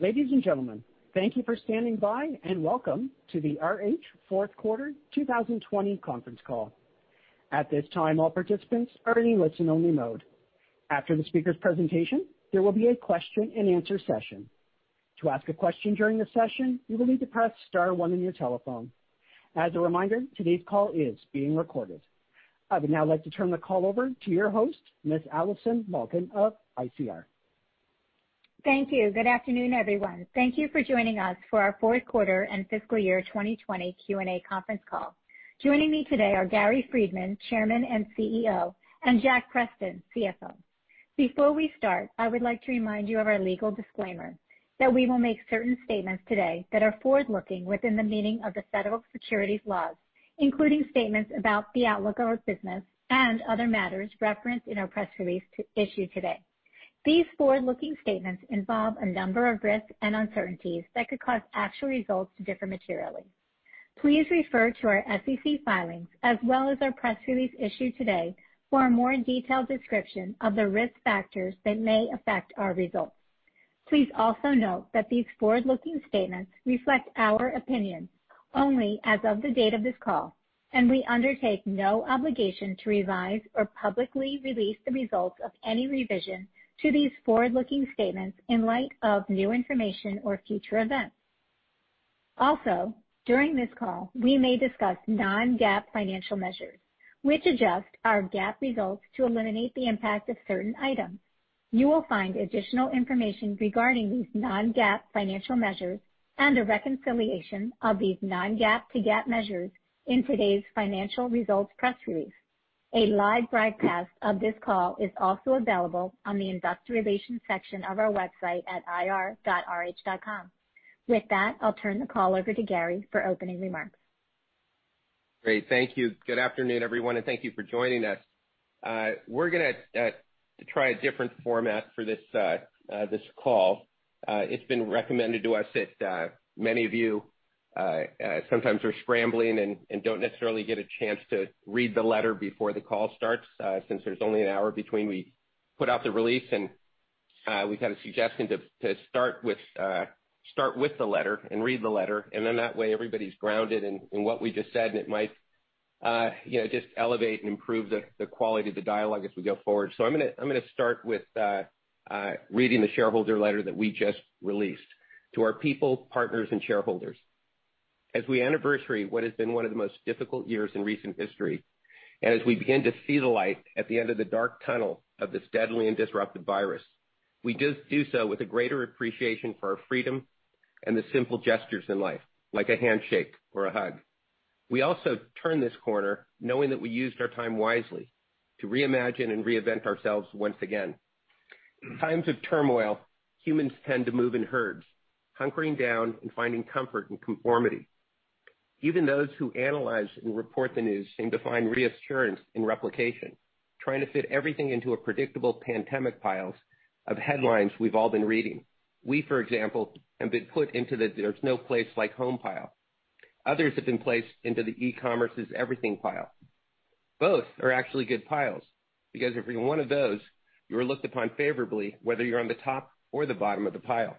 Ladies and gentlemen, thank you for standing by, welcome to the RH fourth quarter 2020 conference call. At this time, all participants are in listen-only mode. After the speaker's presentation, there will be a question-and-answer session. To ask a question during the session, you will need to press star one on your telephone. As a reminder, today's call is being recorded. I would now like to turn the call over to your host, Ms. Allison Malkin of ICR. Thank you. Good afternoon, everyone. Thank you for joining us for our fourth quarter and fiscal year 2020 Q&A conference call. Joining me today are Gary Friedman, Chairman and CEO, and Jack Preston, CFO. Before we start, I would like to remind you of our legal disclaimer that we will make certain statements today that are forward-looking within the meaning of the federal securities laws, including statements about the outlook of our business and other matters referenced in our press release issued today. These forward-looking statements involve a number of risks and uncertainties that could cause actual results to differ materially. Please refer to our SEC filings as well as our press release issued today for a more detailed description of the risk factors that may affect our results. Please also note that these forward-looking statements reflect our opinion only as of the date of this call, and we undertake no obligation to revise or publicly release the results of any revision to these forward-looking statements in light of new information or future events. Also, during this call, we may discuss non-GAAP financial measures, which adjust our GAAP results to eliminate the impact of certain items. You will find additional information regarding these non-GAAP financial measures and a reconciliation of these non-GAAP to GAAP measures in today's financial results press release. A live broadcast of this call is also available on the investor relations section of our website at ir.rh.com. With that, I'll turn the call over to Gary for opening remarks. Great. Thank you. Good afternoon, everyone, and thank you for joining us. We're going to try a different format for this call. It's been recommended to us that many of you sometimes are scrambling and don't necessarily get a chance to read the letter before the call starts, since there's only an hour between we put out the release and we've had a suggestion to start with the letter and read the letter, and then that way everybody's grounded in what we just said, and it might just elevate and improve the quality of the dialogue as we go forward. I'm going to start with reading the shareholder letter that we just released. To our people, partners, and shareholders. As we anniversary what has been one of the most difficult years in recent history, as we begin to see the light at the end of the dark tunnel of this deadly and disruptive virus, we do so with a greater appreciation for our freedom and the simple gestures in life, like a handshake or a hug. We also turn this corner knowing that we used our time wisely to reimagine and reinvent ourselves once again. In times of turmoil, humans tend to move in herds, hunkering down and finding comfort in conformity. Even those who analyze and report the news seem to find reassurance in replication, trying to fit everything into a predictable pandemic piles of headlines we've all been reading. We, for example, have been put into the "there's no place like home" pile. Others have been placed into the "e-commerce is everything" pile. Both are actually good piles because if you're in one of those, you are looked upon favorably, whether you're on the top or the bottom of the pile.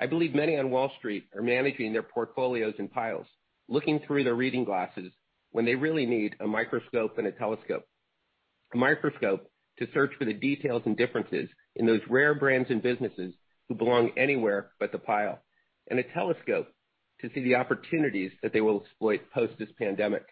I believe many on Wall Street are managing their portfolios in piles, looking through their reading glasses when they really need a microscope and a telescope. A microscope to search for the details and differences in those rare brands and businesses who belong anywhere but the pile, and a telescope to see the opportunities that they will exploit post this pandemic.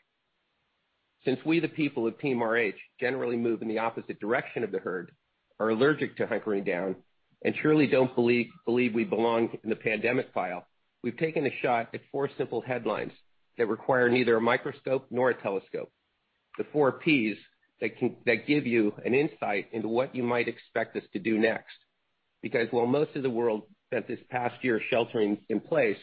Since we, the people of Team RH, generally move in the opposite direction of the herd, are allergic to hunkering down, and surely don't believe we belong in the pandemic pile, we've taken a shot at four simple headlines that require neither a microscope nor a telescope. The four P's that give you an insight into what you might expect us to do next. While most of the world spent this past year sheltering in place,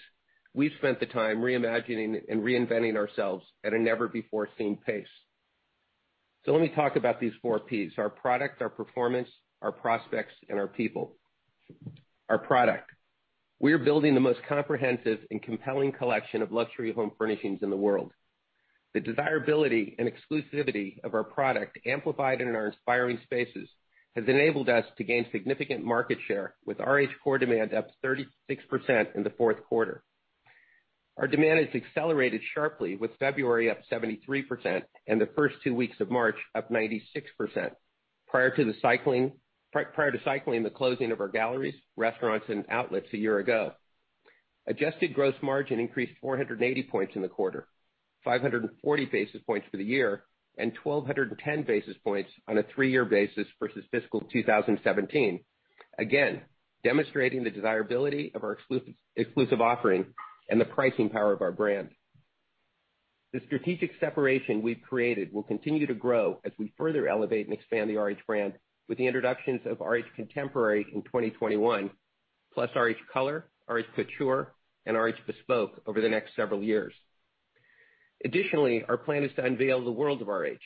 we've spent the time reimagining and reinventing ourselves at a never-before-seen pace. Let me talk about these four P's, our product, our performance, our prospects, and our people. Our product. We are building the most comprehensive and compelling collection of luxury home furnishings in the world. The desirability and exclusivity of our product, amplified in our inspiring spaces, has enabled us to gain significant market share with RH Core demand up 36% in the fourth quarter. Our demand has accelerated sharply with February up 73% and the first two weeks of March up 96% prior to cycling the closing of our Galleries, Restaurants, and Outlets a year ago. Adjusted gross margin increased 480 basis points in the quarter, 540 basis points for the year, and 1,210 basis points on a three-year basis versus fiscal 2017, again, demonstrating the desirability of our exclusive offering and the pricing power of our brand. The strategic separation we've created will continue to grow as we further elevate and expand the RH Brand with the introductions of RH Contemporary in 2021, plus RH Color, RH Couture, and RH Bespoke over the next several years. Additionally, our plan is to unveil the World of RH,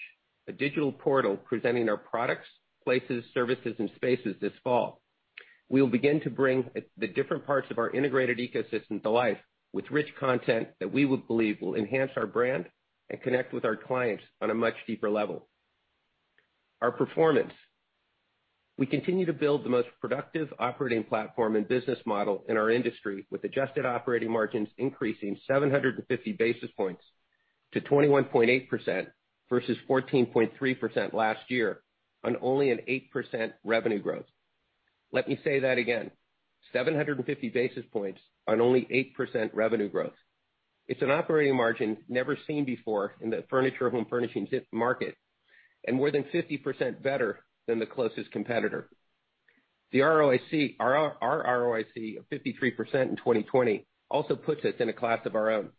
a digital portal presenting our products, places, services, and spaces this fall. We will begin to bring the different parts of our integrated ecosystem to life with rich content that we would believe will enhance our brand and connect with our clients on a much deeper level. Our performance. We continue to build the most productive operating platform and business model in our industry, with adjusted operating margins increasing 750 basis points to 21.8% versus 14.3% last year on only an 8% revenue growth. Let me say that again, 750 basis points on only 8% revenue growth. It's an operating margin never seen before in the furniture home furnishings market and more than 50% better than the closest competitor. Our ROIC of 53% in 2020 also puts us in a class of our own.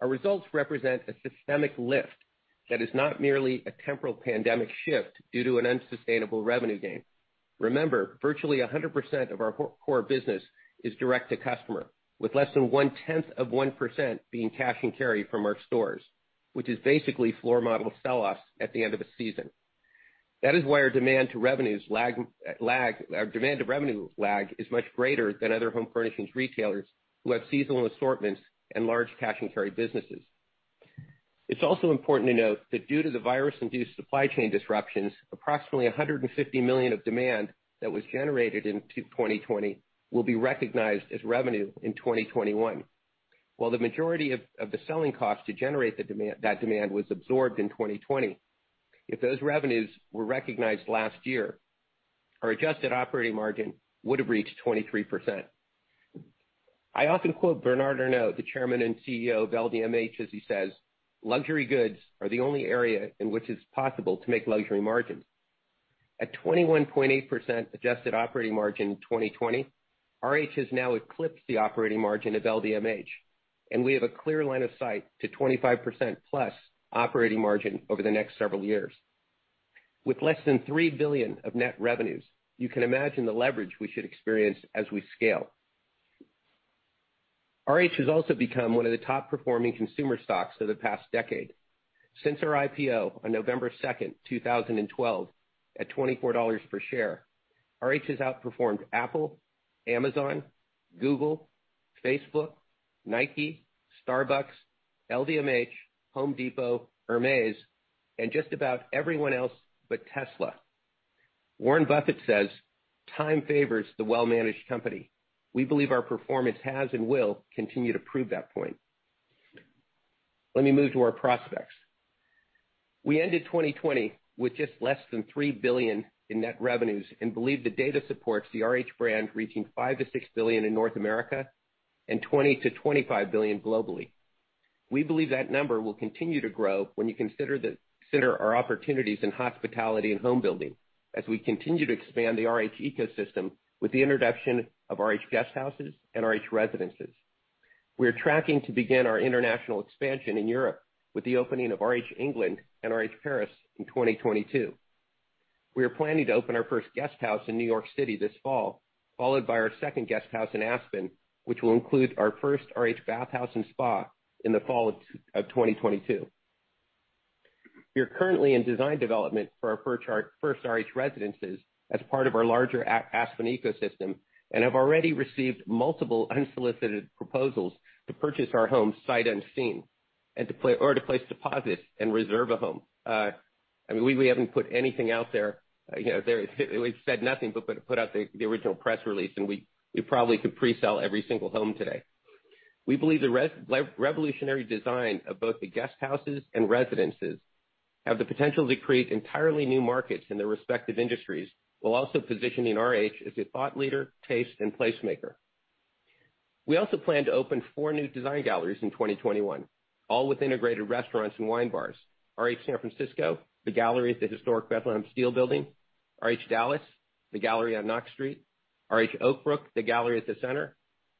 Our results represent a systemic lift that is not merely a temporal pandemic shift due to an unsustainable revenue gain. Remember, virtually 100% of our Core business is direct to customer, with less than 1/10 of 1% being cash and carry from our stores, which is basically floor model sell-offs at the end of a season. That is why our demand to revenue lag is much greater than other home furnishings retailers who have seasonal assortments and large cash and carry businesses. It is also important to note that due to the virus-induced supply chain disruptions, approximately $150 million of demand that was generated in 2020 will be recognized as revenue in 2021. The majority of the selling cost to generate that demand was absorbed in 2020. If those revenues were recognized last year, our adjusted operating margin would have reached 23%. I often quote Bernard Arnault, the Chairman and CEO of LVMH, as he says, "Luxury goods are the only area in which it is possible to make luxury margins." At 21.8% adjusted operating margin in 2020, RH has now eclipsed the operating margin of LVMH, and we have a clear line of sight to 25%+ operating margin over the next several years. With less than $3 billion of net revenues, you can imagine the leverage we should experience as we scale. RH has also become one of the top-performing consumer stocks for the past decade. Since our IPO on November 2nd, 2012 at $24 per share, RH has outperformed Apple, Amazon, Google, Facebook, Nike, Starbucks, LVMH, Home Depot, Hermès, and just about everyone else but Tesla. Warren Buffett says, "Time favors the well-managed company." We believe our performance has and will continue to prove that point. Let me move to our prospects. We ended 2020 with just less than $3 billion in net revenues and believe the data supports the RH brand reaching $5 billion-$6 billion in North America and $20 billion-$25 billion globally. We believe that number will continue to grow when you consider our opportunities in Hospitality and Homebuilding as we continue to expand the RH Ecosystem with the introduction of RH Guesthouses and RH Residences. We are tracking to begin our international expansion in Europe with the opening of RH England and RH Paris in 2022. We are planning to open our first Guesthouse in New York City this fall, followed by our second Guesthouse in Aspen, which will include our first RH Bath House & Spa in the fall of 2022. We are currently in design development for our first RH Residences as part of our larger Aspen ecosystem and have already received multiple unsolicited proposals to purchase our homes sight unseen or to place deposits and reserve a home. We haven't put anything out there. We've said nothing but put out the original press release, and we probably could pre-sell every single home today. We believe the revolutionary design of both the Guesthouses and Residences have the potential to create entirely new markets in their respective industries, while also positioning RH as a thought leader, taste, and placemaker. We also plan to open four new Design Galleries in 2021, all with integrated restaurants and wine bars: RH San Francisco, The Gallery at the Historic Bethlehem Steel Building. RH Dallas, the Gallery on Knox Street. RH Oak Brook, The Gallery at the Center, and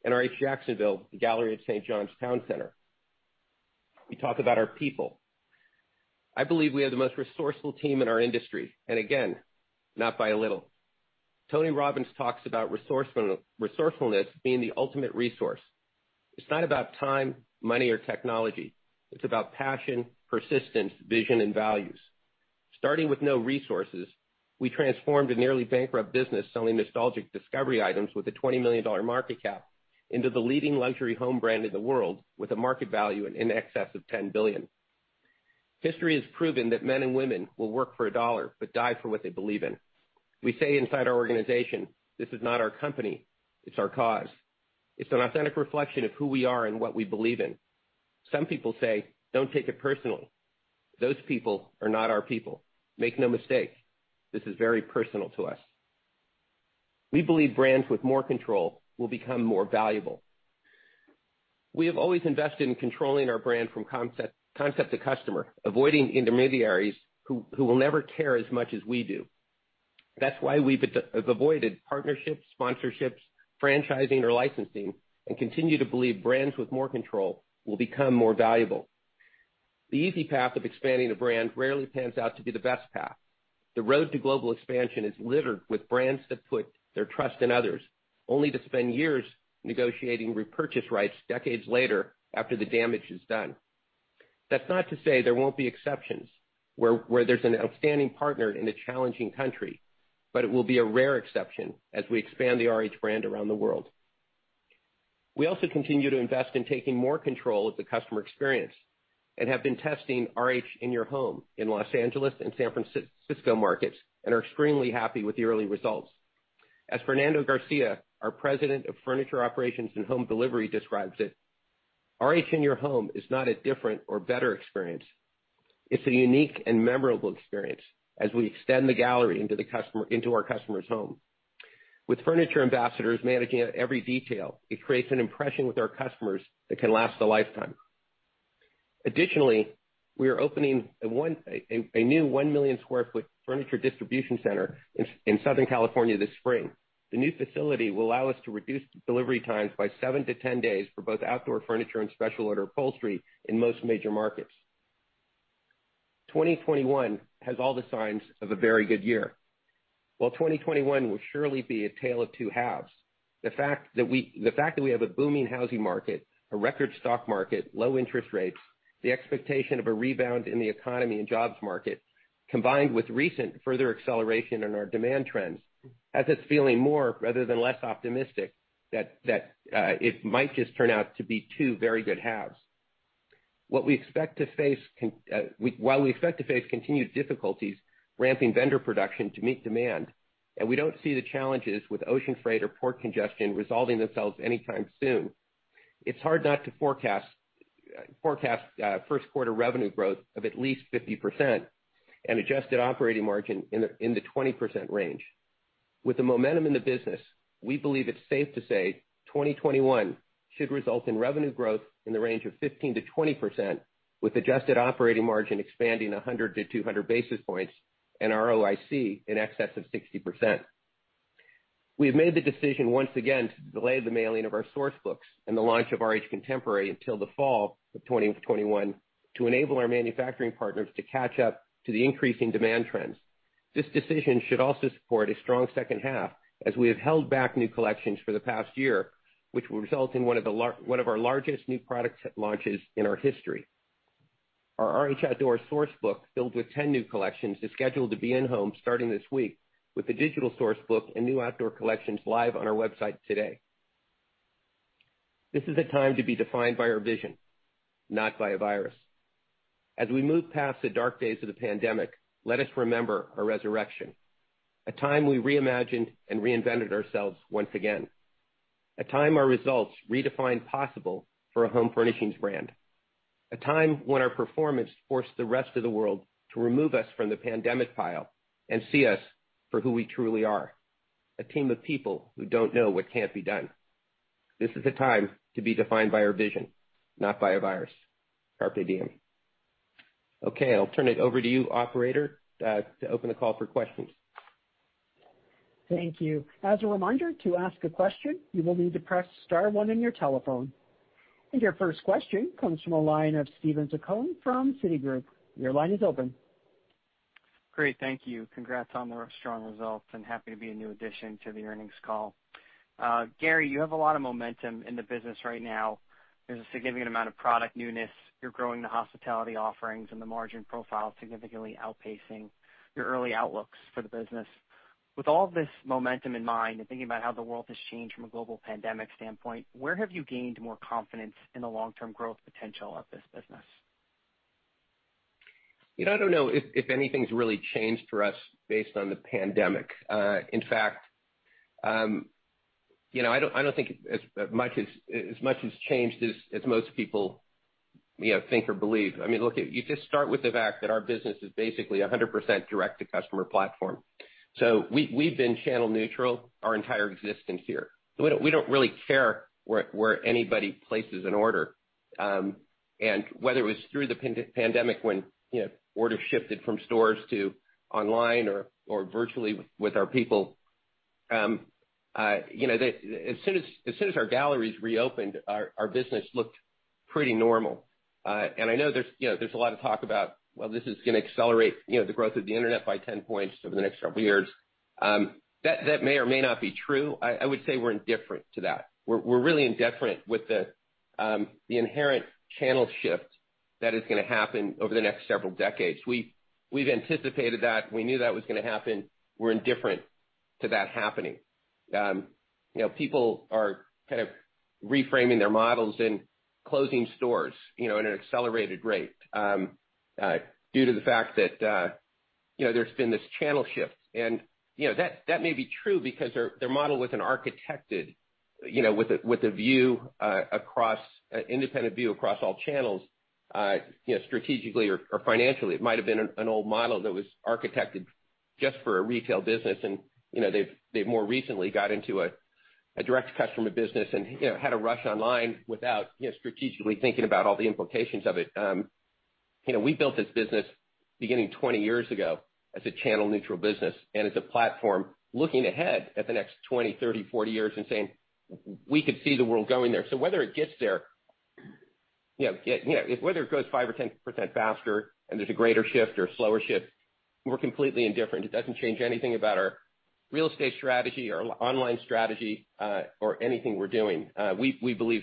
RH Jacksonville, The Gallery at St. Johns Town Center. We talk about our people. I believe we have the most resourceful team in our industry, and again, not by a little. Tony Robbins talks about resourcefulness being the ultimate resource. It's not about time, money, or technology. It's about passion, persistence, vision, and values. Starting with no resources, we transformed a nearly bankrupt business selling nostalgic discovery items with a $20 million market cap into the leading luxury home brand in the world with a market value in excess of $10 billion. History has proven that men and women will work for a dollar but die for what they believe in. We say inside our organization, "This is not our Company, it's our Cause. It's an authentic reflection of who we are and what we believe in. Some people say, 'Don't take it personally.' Those people are not our people. Make no mistake, this is very personal to us." We believe brands with more control will become more valuable. We have always invested in controlling our brand from concept to customer, avoiding intermediaries who will never care as much as we do. That's why we have avoided partnerships, sponsorships, franchising, or licensing and continue to believe brands with more control will become more valuable. The easy path of expanding a brand rarely pans out to be the best path. The road to global expansion is littered with brands that put their trust in others, only to spend years negotiating repurchase rights decades later after the damage is done. That's not to say there won't be exceptions where there's an outstanding partner in a challenging country, but it will be a rare exception as we expand the RH brand around the world. We also continue to invest in taking more control of the customer experience and have been testing RH In-Your-Home in Los Angeles and San Francisco markets and are extremely happy with the early results. As Fernando Garcia, our President of Furniture Operations and Home Delivery, describes it, "RH In-Your-Home is not a different or better experience. It's a unique and memorable experience. As we extend the Gallery into our customer's home. With Furniture Ambassadors managing every detail, it creates an impression with our customers that can last a lifetime." Additionally, we are opening a new 1 million square foot furniture distribution center in Southern California this spring. The new facility will allow us to reduce delivery times by 7-10 days for both outdoor furniture and special order upholstery in most major markets. 2021 has all the signs of a very good year. While 2021 will surely be a tale of two halves, the fact that we have a booming housing market, a record stock market, low interest rates, the expectation of a rebound in the economy and jobs market, combined with recent further acceleration in our demand trends, has us feeling more rather than less optimistic that it might just turn out to be two very good halves. While we expect to face continued difficulties ramping vendor production to meet demand, and we don't see the challenges with ocean freight or port congestion resolving themselves anytime soon, it's hard not to forecast first quarter revenue growth of at least 50% and adjusted operating margin in the 20% range. With the momentum in the business, we believe it is safe to say 2021 should result in revenue growth in the range of 15%-20% with adjusted operating margin expanding 100-200 basis points and ROIC in excess of 60%. We have made the decision once again to delay the mailing of our Source Books and the launch of RH Contemporary until the fall of 2021 to enable our manufacturing partners to catch up to the increasing demand trends. This decision should also support a strong second half as we have held back new collections for the past year, which will result in one of our largest new product launches in our history. Our RH Outdoor Source Book, filled with 10 new collections, is scheduled to be in homes starting this week with a digital Source Book and new outdoor collections live on our website today. This is a time to be defined by our vision, not by a virus. As we move past the dark days of the pandemic, let us remember our resurrection. A time we reimagined and reinvented ourselves once again. A time our results redefined possible for a home furnishings brand. A time when our performance forced the rest of the world to remove us from the pandemic pile and see us for who we truly are, a team of people who don't know what can't be done. This is a time to be defined by our vision, not by a virus. Carpe Diem. Okay, I'll turn it over to you, operator, to open the call for questions. Thank you. As a reminder, to ask a question, you'll need to press star one on your telephone. Your first question comes from the line of Steven Zaccone from Citigroup. Great. Thank you. Congrats on the strong results and happy to be a new addition to the earnings call. Gary, you have a lot of momentum in the business right now. There's a significant amount of product newness. You're growing the hospitality offerings and the margin profile is significantly outpacing your early outlooks for the business. With all this momentum in mind and thinking about how the world has changed from a global pandemic standpoint, where have you gained more confidence in the long-term growth potential of this business? I don't know if anything's really changed for us based on the pandemic. In fact, I don't think as much has changed as most people think or believe. You just start with the fact that our business is basically 100% direct-to-customer platform. We've been channel neutral our entire existence here. We don't really care where anybody places an order. Whether it was through the pandemic when orders shifted from stores to online or virtually with our people, as soon as our galleries reopened, our business looked pretty normal. I know there's a lot of talk about, well, this is going to accelerate the growth of the internet by 10 points over the next couple of years. That may or may not be true. I would say we're indifferent to that. We're really indifferent with the inherent channel shift that is going to happen over the next several decades. We've anticipated that. We knew that was going to happen. We're indifferent to that happening. People are kind of reframing their models and closing stores at an accelerated rate due to the fact that there's been this channel shift. That may be true because their model with an architected with an independent view across all channels, strategically or financially, it might have been an old model that was architected just for a retail business, and they've more recently got into a direct customer business and had to rush online without strategically thinking about all the implications of it. We built this business beginning 20 years ago as a channel-neutral business and as a platform looking ahead at the next 20, 30, 40 years and saying, "We could see the world going there." Whether it gets there, whether it goes 5% or 10% faster and there's a greater shift or a slower shift. We're completely indifferent. It doesn't change anything about our real estate strategy or online strategy, or anything we're doing. We believe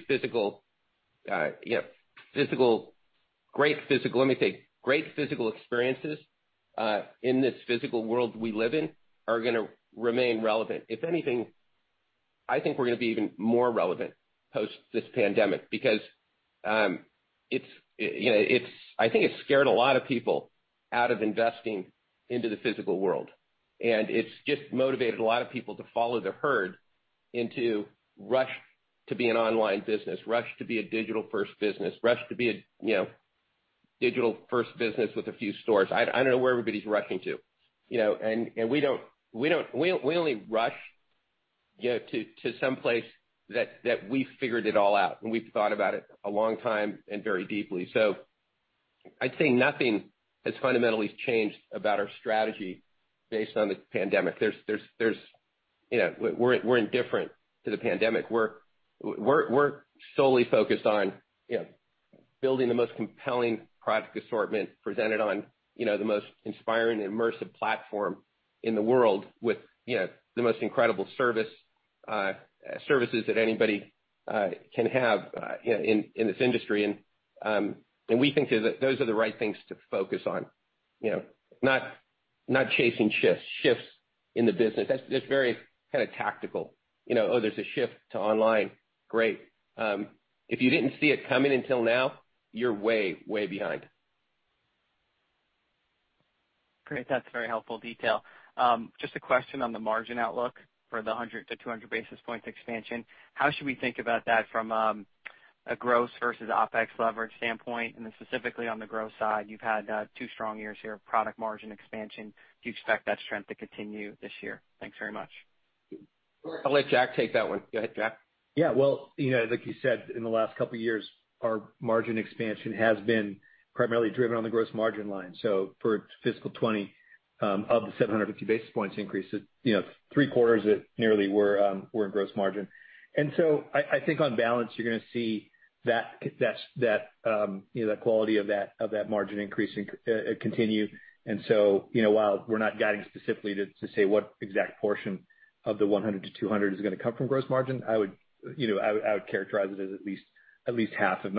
great physical experiences, in this physical world we live in, are going to remain relevant. If anything, I think we're going to be even more relevant post this pandemic, because I think it scared a lot of people out of investing into the physical world, and it's just motivated a lot of people to follow the herd into rush to be an online business, rush to be a digital-first business, rush to be a digital-first business with a few stores. I don't know where everybody's rushing to. We only rush to someplace that we've figured it all out and we've thought about it a long time and very deeply. I'd say nothing has fundamentally changed about our strategy based on the pandemic. We're indifferent to the pandemic. We're solely focused on building the most compelling product assortment presented on the most inspiring, immersive platform in the world with the most incredible services that anybody can have in this industry. We think those are the right things to focus on. Not chasing shifts in the business. That's very kind of tactical. Oh, there's a shift to online. Great. If you didn't see it coming until now, you're way behind. Great. That's a very helpful detail. Just a question on the margin outlook for the 100-200 basis points expansion. How should we think about that from a gross versus OpEx leverage standpoint? Specifically on the gross side, you've had two strong years here of product margin expansion. Do you expect that strength to continue this year? Thanks very much. I'll let Jack take that one. Go ahead, Jack. Yeah. Well, like you said, in the last couple of years, our margin expansion has been primarily driven on the gross margin line. For fiscal 2020, of the 750 basis points increase, 3/4 nearly were in gross margin. I think on balance, you're going to see the quality of that margin increase continue. While we're not guiding specifically to say what exact portion of the 100-200 basis points is going to come from gross margin, I would characterize it as at least half, if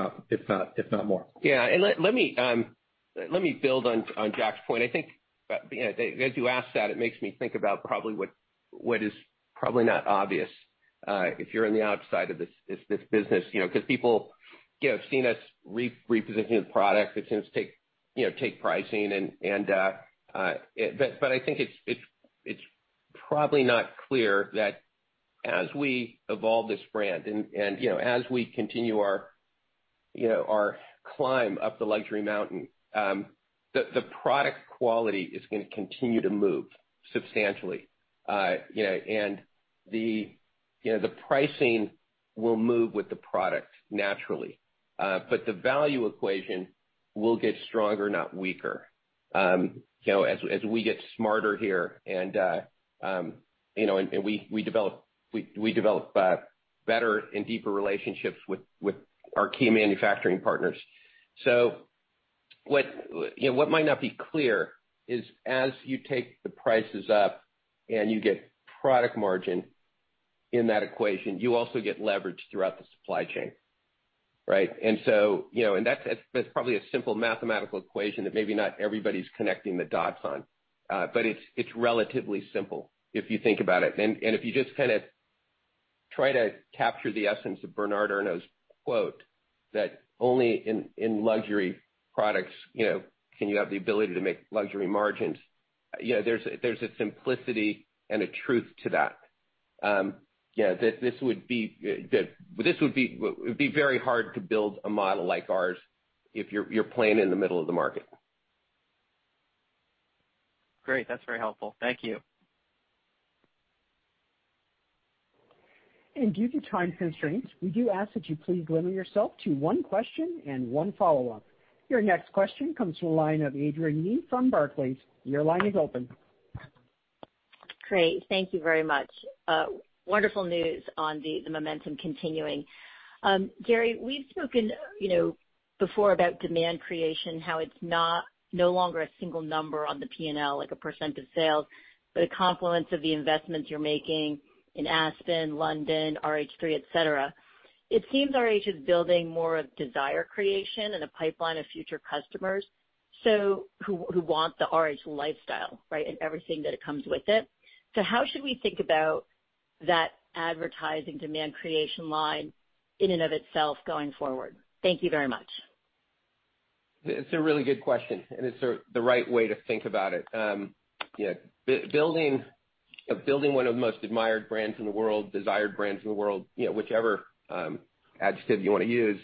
not more. Yeah. Let me build on Jack's point. I think as you ask that, it makes me think about what is probably not obvious, if you're on the outside of this business. People have seen us reposition the product. They've seen us take pricing. I think it's probably not clear that as we evolve this brand and as we continue our climb up the luxury mountain, the product quality is going to continue to move substantially. The pricing will move with the product naturally. The value equation will get stronger, not weaker as we get smarter here and we develop better and deeper relationships with our key manufacturing partners. What might not be clear is as you take the prices up and you get product margin in that equation, you also get leverage throughout the supply chain, right? That's probably a simple mathematical equation that maybe not everybody's connecting the dots on. It's relatively simple if you think about it. If you just kind of try to capture the essence of Bernard Arnault's quote, that only in luxury products can you have the ability to make luxury margins, there's a simplicity and a truth to that. It would be very hard to build a model like ours if you're playing in the middle of the market. Great. That's very helpful. Thank you. Due to time constraints, we do ask that you please limit yourself to one question and one follow-up. Your next question comes from the line of Adrienne Yih from Barclays. Your line is open. Great. Thank you very much. Wonderful news on the momentum continuing. Gary, we've spoken before about demand creation, how it's no longer a single number on the P&L, like a percentage of sales, but a confluence of the investments you're making in Aspen, London, RH3, et cetera. It seems RH is building more of desire creation and a pipeline of future customers, who want the RH lifestyle, right, and everything that comes with it. How should we think about that advertising demand creation line in and of itself going forward? Thank you very much. It's a really good question, and it's the right way to think about it. Building one of the most admired brands in the world, desired brands in the world, whichever adjective you want to use,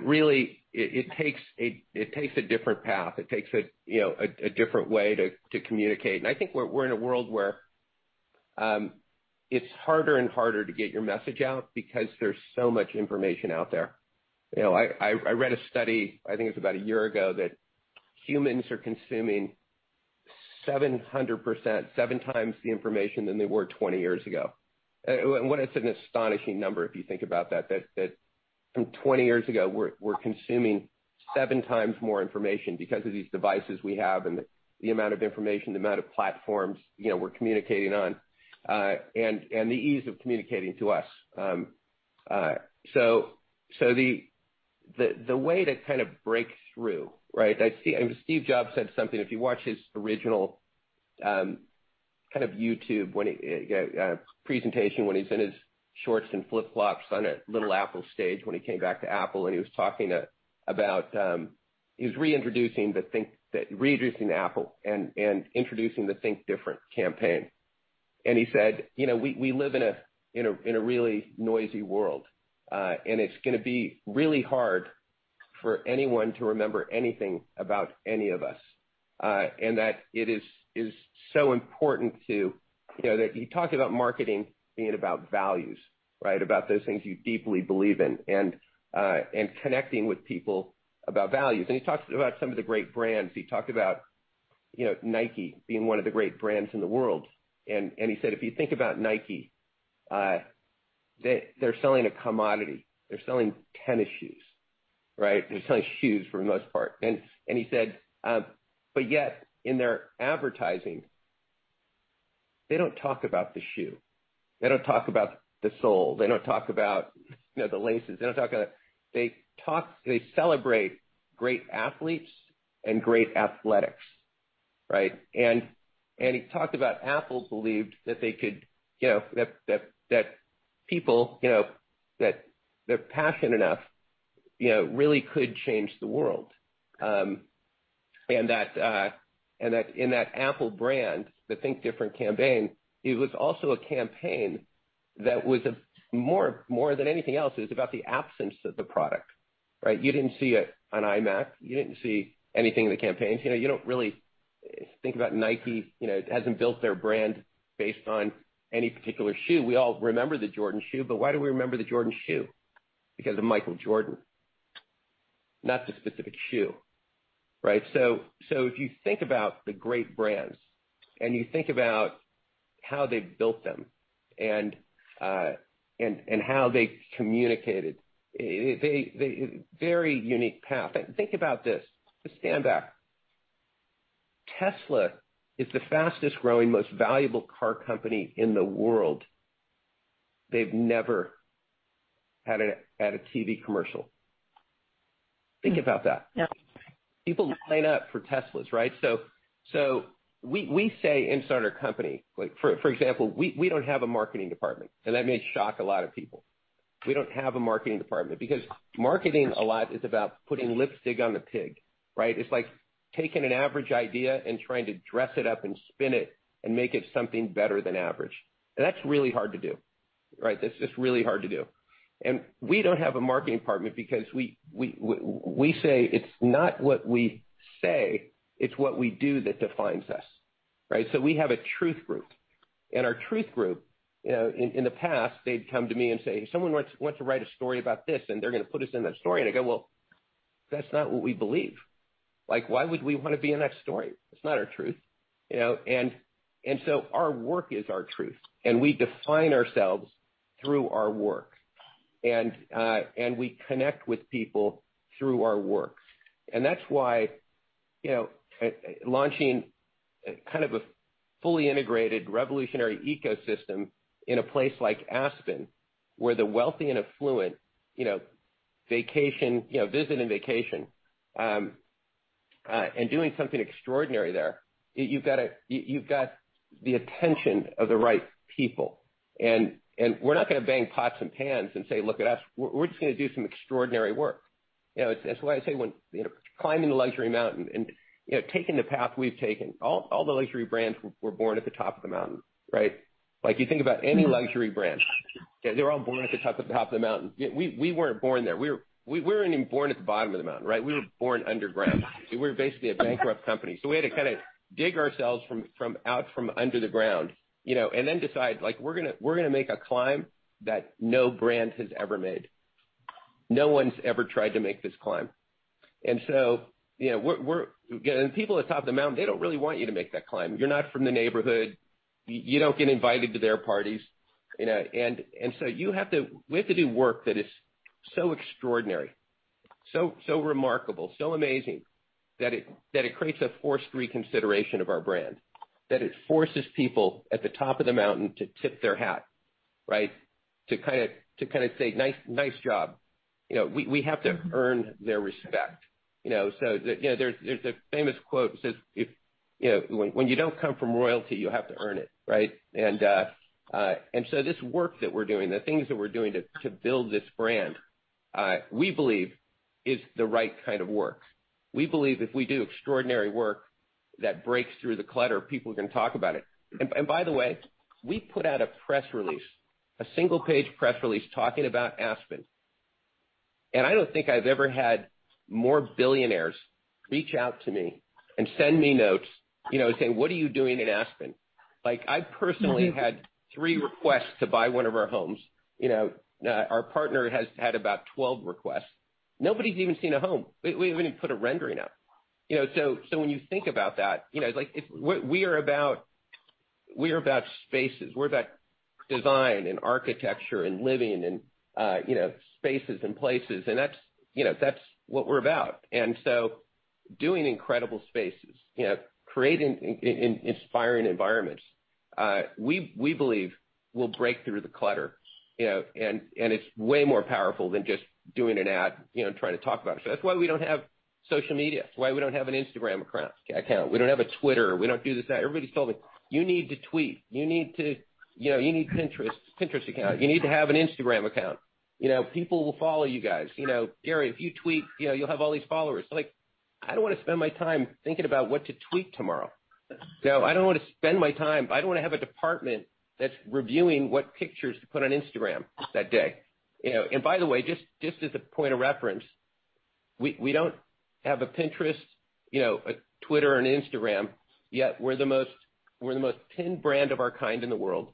really, it takes a different path. It takes a different way to communicate. I think we're in a world where it's harder and harder to get your message out because there's so much information out there. I read a study, I think it was about a year ago, that humans are consuming 700%, seven times the information than they were 20 years ago. It's an astonishing number if you think about that from 20 years ago, we're consuming seven times more information because of these devices we have and the amount of information, the amount of platforms we're communicating on, and the ease of communicating to us. The way to kind of break through, right? Steve Jobs said something, if you watch his original kind of YouTube presentation when he's in his shorts and flip-flops on a little Apple stage when he came back to Apple, and he was re-introducing Apple and introducing the Think different campaign. He said, "We live in a really noisy world. It's going to be really hard for anyone to remember anything about any of us." He talked about marketing being about values, right? About those things you deeply believe in, and connecting with people about values. He talks about some of the great brands. He talked about Nike being one of the great brands in the world. He said, "If you think about Nike, they're selling a commodity. They're selling tennis shoes." Right? They're selling shoes for the most part. He said, "Yet, in their advertising, they don't talk about the shoe. They don't talk about the sole. They don't talk about the laces. They don't talk about it. They celebrate great athletes and great athletics." Right? He talked about Apple's belief that people that are passionate enough really could change the world. That in that Apple brand, the Think different campaign, it was also a campaign that was more than anything else, it was about the absence of the product, right? You didn't see an iMac, you didn't see anything in the campaigns. You don't really think about Nike, it hasn't built their brand based on any particular shoe. We all remember the Jordan shoe, but why do we remember the Jordan shoe? Because of Michael Jordan, not the specific shoe. Right? If you think about the great brands, and you think about how they built them, and how they communicated, very unique path. Think about this. Just stand back. Tesla is the fastest-growing, most valuable car company in the world. They've never had a TV commercial. Think about that. Yeah. People sign up for Teslas, right? We say inside our company, for example, we don't have a marketing department, and that may shock a lot of people. We don't have a marketing department because marketing a lot is about putting lipstick on the pig, right? It's like taking an average idea and trying to dress it up and spin it and make it something better than average. That's really hard to do. Right? That's just really hard to do. We don't have a marketing department because we say, "It's not what we say, it's what we do that defines us." Right? We have a truth group, and our truth group, in the past, they'd come to me and say, "Someone wants to write a story about this, and they're going to put us in that story." I go, "Well, that's not what we believe. Why would we want to be in that story? It's not our truth. Our work is our truth, and we define ourselves through our work. We connect with people through our work. That's why launching kind of a fully integrated, revolutionary ecosystem in a place like Aspen, where the wealthy and affluent visit and vacation, and doing something extraordinary there, you've got the attention of the right people. We're not going to bang pots and pans and say, "Look at us." We're just going to do some extraordinary work. That's why I say when climbing the luxury mountain and taking the path we've taken, all the luxury brands were born at the top of the mountain, right? You think about any luxury brand, they were all born at the top of the mountain. We weren't born there. We weren't even born at the bottom of the mountain, right? We were born underground. We were basically a bankrupt company. We had to kind of dig ourselves from out from under the ground, then decide we're going to make a climb that no brand has ever made. No one's ever tried to make this climb. People at the top of the mountain, they don't really want you to make that climb. You're not from the neighborhood. You don't get invited to their parties. We have to do work that is so extraordinary, so remarkable, so amazing, that it creates a forced reconsideration of our brand. That it forces people at the top of the mountain to tip their hat, right? To kind of say, "Nice job." We have to earn their respect. There's a famous quote that says, when you don't come from royalty, you have to earn it, right? This work that we're doing, the things that we're doing to build this brand, we believe is the right kind of work. We believe if we do extraordinary work that breaks through the clutter, people are going to talk about it. By the way, we put out a press release, a single-page press release talking about Aspen. I don't think I've ever had more billionaires reach out to me and send me notes saying, "What are you doing in Aspen?" Like I personally had three requests to buy one of our homes. Our partner has had about 12 requests. Nobody's even seen a home. We haven't even put a rendering up. When you think about that, we are about spaces. We're about design and architecture and living and spaces and places, that's what we're about. Doing incredible spaces, creating inspiring environments, we believe will break through the clutter. It's way more powerful than just doing an ad, trying to talk about it. That's why we don't have social media, why we don't have an Instagram account. We don't have a Twitter. We don't do this, that. Everybody's told me, "You need to tweet. You need a Pinterest account. You need to have an Instagram account. People will follow you guys. Gary, if you tweet, you'll have all these followers." I'm like, "I don't want to spend my time thinking about what to tweet tomorrow." I don't want to spend my time, I don't want to have a department that's reviewing what pictures to put on Instagram that day. Just as a point of reference, we don't have a Pinterest, a Twitter and Instagram, yet we're the most pinned brand of our kind in the world.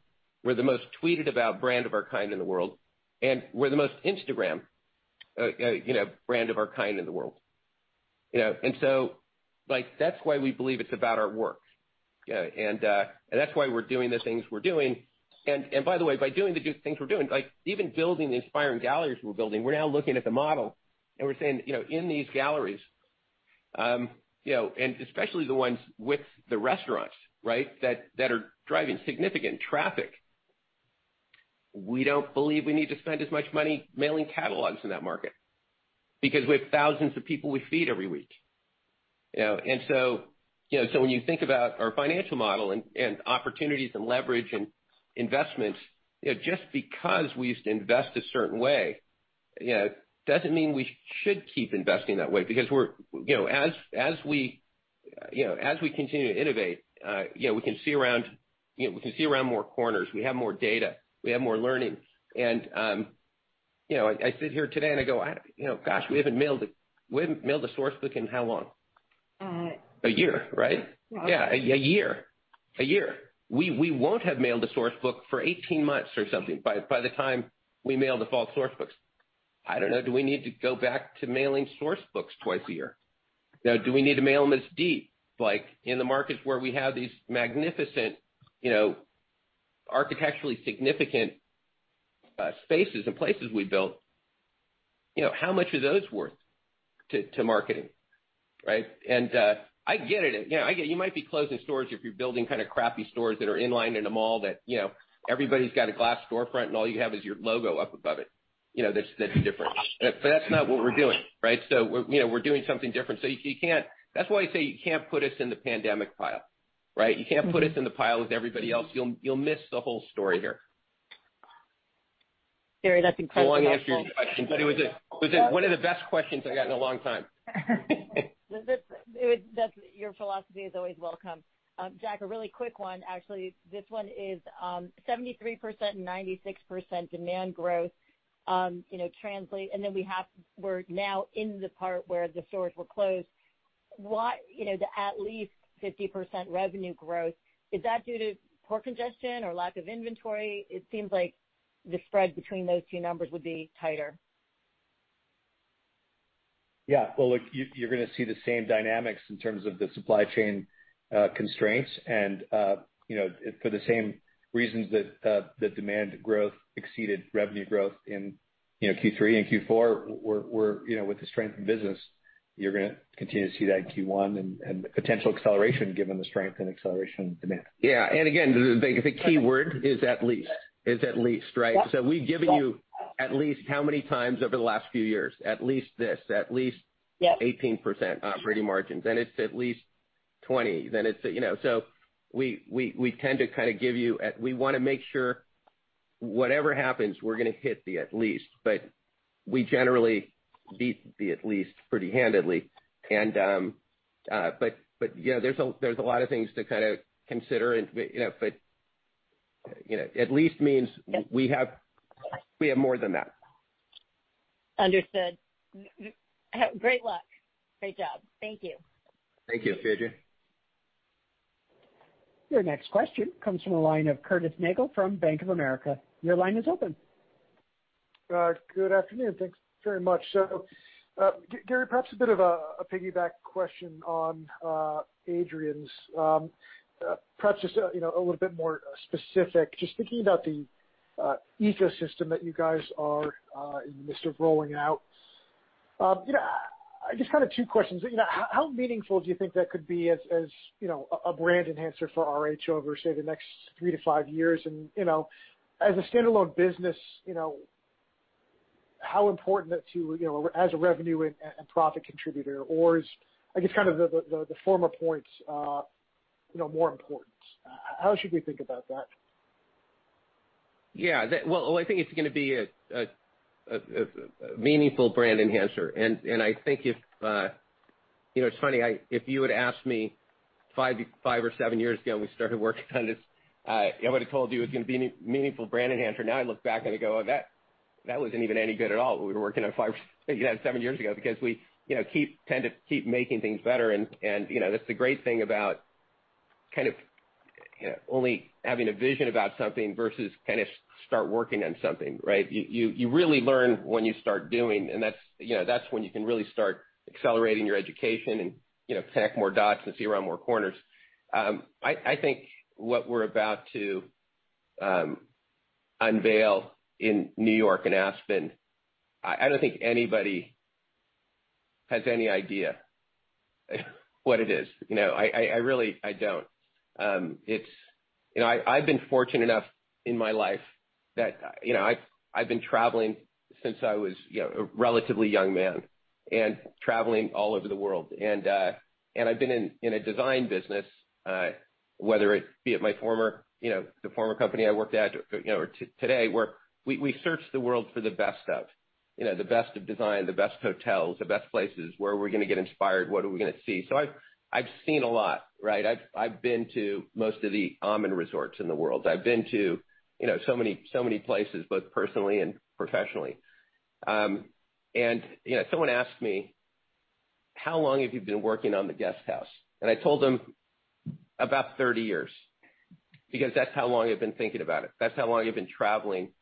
We're the most tweeted about brand of our kind in the world, and we're the most Instagrammed brand of our kind in the world. That's why we believe it's about our work. That's why we're doing the things we're doing. By doing the things we're doing, like even building the inspiring galleries we're building, we're now looking at the model, and we're saying, in these galleries, and especially the ones with the restaurants that are driving significant traffic, we don't believe we need to spend as much money mailing catalogs in that market because we have thousands of people we feed every week. When you think about our financial model and opportunities and leverage and investments, just because we used to invest a certain way doesn't mean we should keep investing that way. As we continue to innovate, we can see around more corners. We have more data. We have more learning. I sit here today and I go, "Gosh, we haven't mailed a Source Book in how long? Uh- A year, right? Yeah. Yeah. A year. We won't have mailed a Source Book for 18 months or something by the time we mail the fall Source Books. I don't know. Do we need to go back to mailing Source Books twice a year? Do we need to mail them as deep, like in the markets where we have these magnificent, architecturally significant spaces and places we built, how much are those worth to marketing, right? I get it. You might be closing stores if you're building kind of crappy stores that are in line in a mall that everybody's got a glass storefront, and all you have is your logo up above it. That's different. That's not what we're doing, right? We're doing something different. That's why I say you can't put us in the pandemic pile, right? You can't put us in the pile with everybody else. You'll miss the whole story here. Gary, that's incredible. Long answer to your question, but it was one of the best questions I've gotten in a long time. Your philosophy is always welcome. Jack, a really quick one, actually. This one is 73% and 96% demand growth translate, and then we're now in the part where the stores were closed. The at least 50% revenue growth, is that due to port congestion or lack of inventory? It seems like the spread between those two numbers would be tighter. Look, you're going to see the same dynamics in terms of the supply chain constraints and for the same reasons that the demand growth exceeded revenue growth in Q3 and Q4, with the strength in business, you're going to continue to see that in Q1 and potential acceleration given the strength and acceleration in demand. Yeah. Again, the keyword is at least. Right? Yep. We've given you at least how many times over the last few years. At least this. At least 18% operating margins. It's at least 20%. We want to make sure whatever happens, we're going to hit the at least. We generally beat the at least pretty handedly. There's a lot of things to kind of consider. At least means we have more than that. Understood. Great luck. Great job. Thank you. Thank you, Adrienne. Your next question comes from the line of Curtis Nagle from Bank of America. Your line is open. Good afternoon. Thanks very much. Gary, perhaps a bit of a piggyback question on Adrienne's. Perhaps just a little bit more specific. Just thinking about the ecosystem that you guys are in the midst of rolling out. Just kind of two questions. How meaningful do you think that could be as a brand enhancer for RH over, say, the next three to five years? And as a standalone business, how important as a revenue and profit contributor, or is I guess kind of the former points more important? How should we think about that? Yeah. Well, I think it's going to be a meaningful brand enhancer. I think it's funny. If you had asked me five or seven years ago when we started working on this I would've told you it was going to be a meaningful brand enhancer. Now I look back and I go, "Oh, that wasn't even any good at all what we were working on five, six, seven years ago because we tend to keep making things better and that's the great thing about only having a vision about something versus start working on something, right? You really learn when you start doing, and that's when you can really start accelerating your education and connect more dots and see around more corners. I think what we're about to unveil in New York and Aspen, I don't think anybody has any idea what it is. I really, I don't. I've been fortunate enough in my life that I've been traveling since I was a relatively young man and traveling all over the world. I've been in a design business, whether it be at the former company I worked at or today, where we search the world for the best of. The best of design, the best hotels, the best places. Where are we going to get inspired? What are we going to see? I've seen a lot, right? I've been to most of the Aman Resorts in the world. I've been to so many places, both personally and professionally. Someone asked me, "How long have you been working on the Guesthouse?" I told them, "About 30 years." Because that's how long I've been thinking about it. That's how long I've been traveling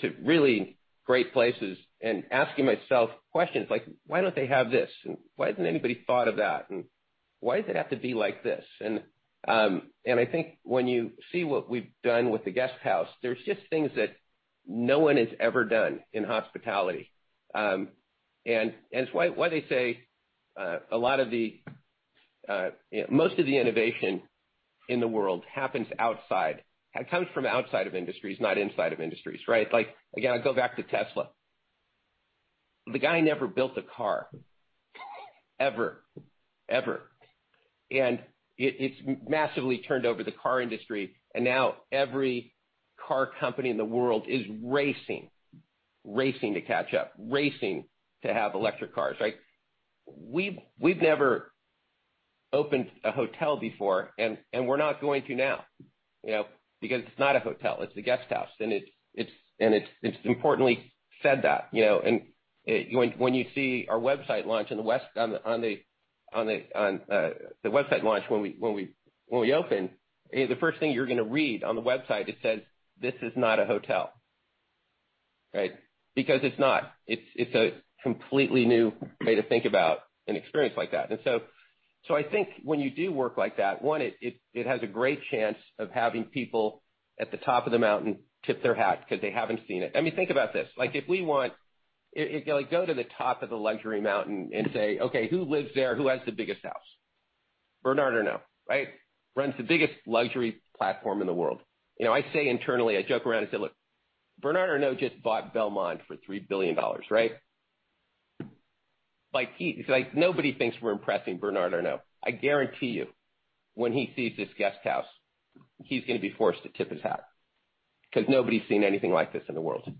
to really great places and asking myself questions like, "Why don't they have this?" And, "Why hasn't anybody thought of that?" And, "Why does it have to be like this?" I think when you see what we've done with The Guesthouse, there's just things that no one has ever done in hospitality. It's why they say most of the innovation in the world happens outside. It comes from outside of industries, not inside of industries, right? Again, I go back to Tesla. The guy never built a car, ever. It's massively turned over the car industry, and now every car company in the world is racing to catch up, racing to have electric cars, right? We've never opened a hotel before, and we're not going to now because it's not a hotel, it's The Guesthouse, and it's importantly said that. When you see our website launch when we open, the first thing you're going to read on the website, it says, "This is not a hotel." Right? Because it's not. It's a completely new way to think about an experience like that. So I think when you do work like that, one, it has a great chance of having people at the top of the luxury mountain tip their hat because they haven't seen it. I mean, think about this. Go to the top of the luxury mountain and say, "Okay, who lives there? Who has the biggest house?" Bernard Arnault, right? Runs the biggest luxury platform in the world. I say internally, I joke around and say, "Look, Bernard Arnault just bought Belmond for $3 billion, right?" Nobody thinks we're impressing Bernard Arnault. I guarantee you, when he sees this Guesthouse, he's going to be forced to tip his hat because nobody's seen anything like this in the world.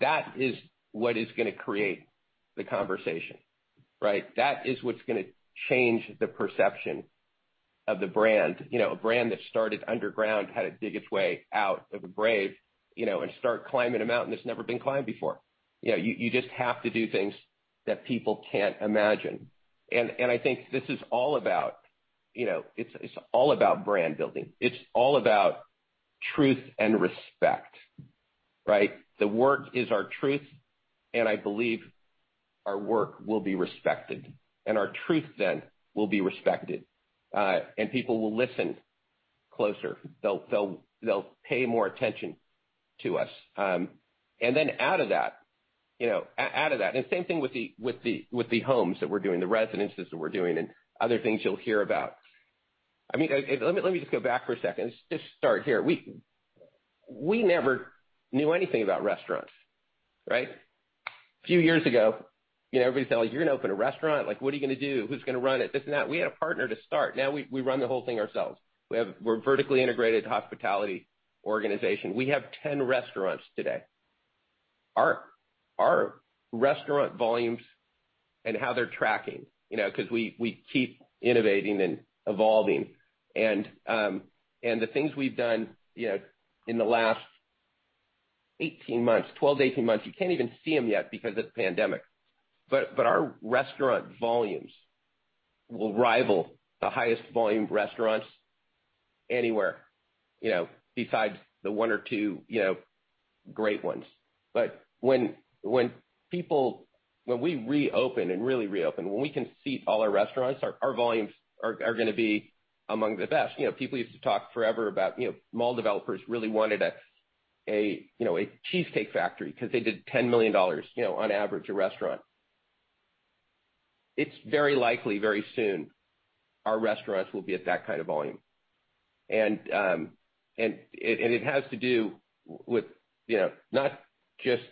That is what is going to create the conversation, right? That is what's going to change the perception of the brand. A brand that started underground, had to dig its way out of a grave, and start climbing a mountain that's never been climbed before. You just have to do things that people can't imagine. I think this is all about brand building. It's all about truth and respect, right? The work is our truth, and I believe our work will be respected, and our truth then will be respected. People will listen closer. They'll pay more attention to us. Out of that, and same thing with the homes that we're doing, the residences that we're doing, and other things you'll hear about. Let me just go back for a second. Let's just start here. We never knew anything about restaurants, right? A few years ago, everybody said, "Oh, you're going to open a restaurant? What are you going to do? Who's going to run it?" This and that. We had a partner to start. Now we run the whole thing ourselves. We're a vertically integrated hospitality organization. We have 10 restaurants today. Our restaurant volumes and how they're tracking, because we keep innovating and evolving. The things we've done in the last 18 months, 12-18 months, you can't even see them yet because of the pandemic. Our restaurant volumes will rival the highest volume restaurants anywhere, besides the one or two great ones. When we reopen and really reopen, when we can seat all our restaurants, our volumes are going to be among the best. People used to talk forever about mall developers really wanted a Cheesecake Factory because they did $10 million on average, a restaurant. It's very likely, very soon our restaurants will be at that kind of volume. It has to do with not just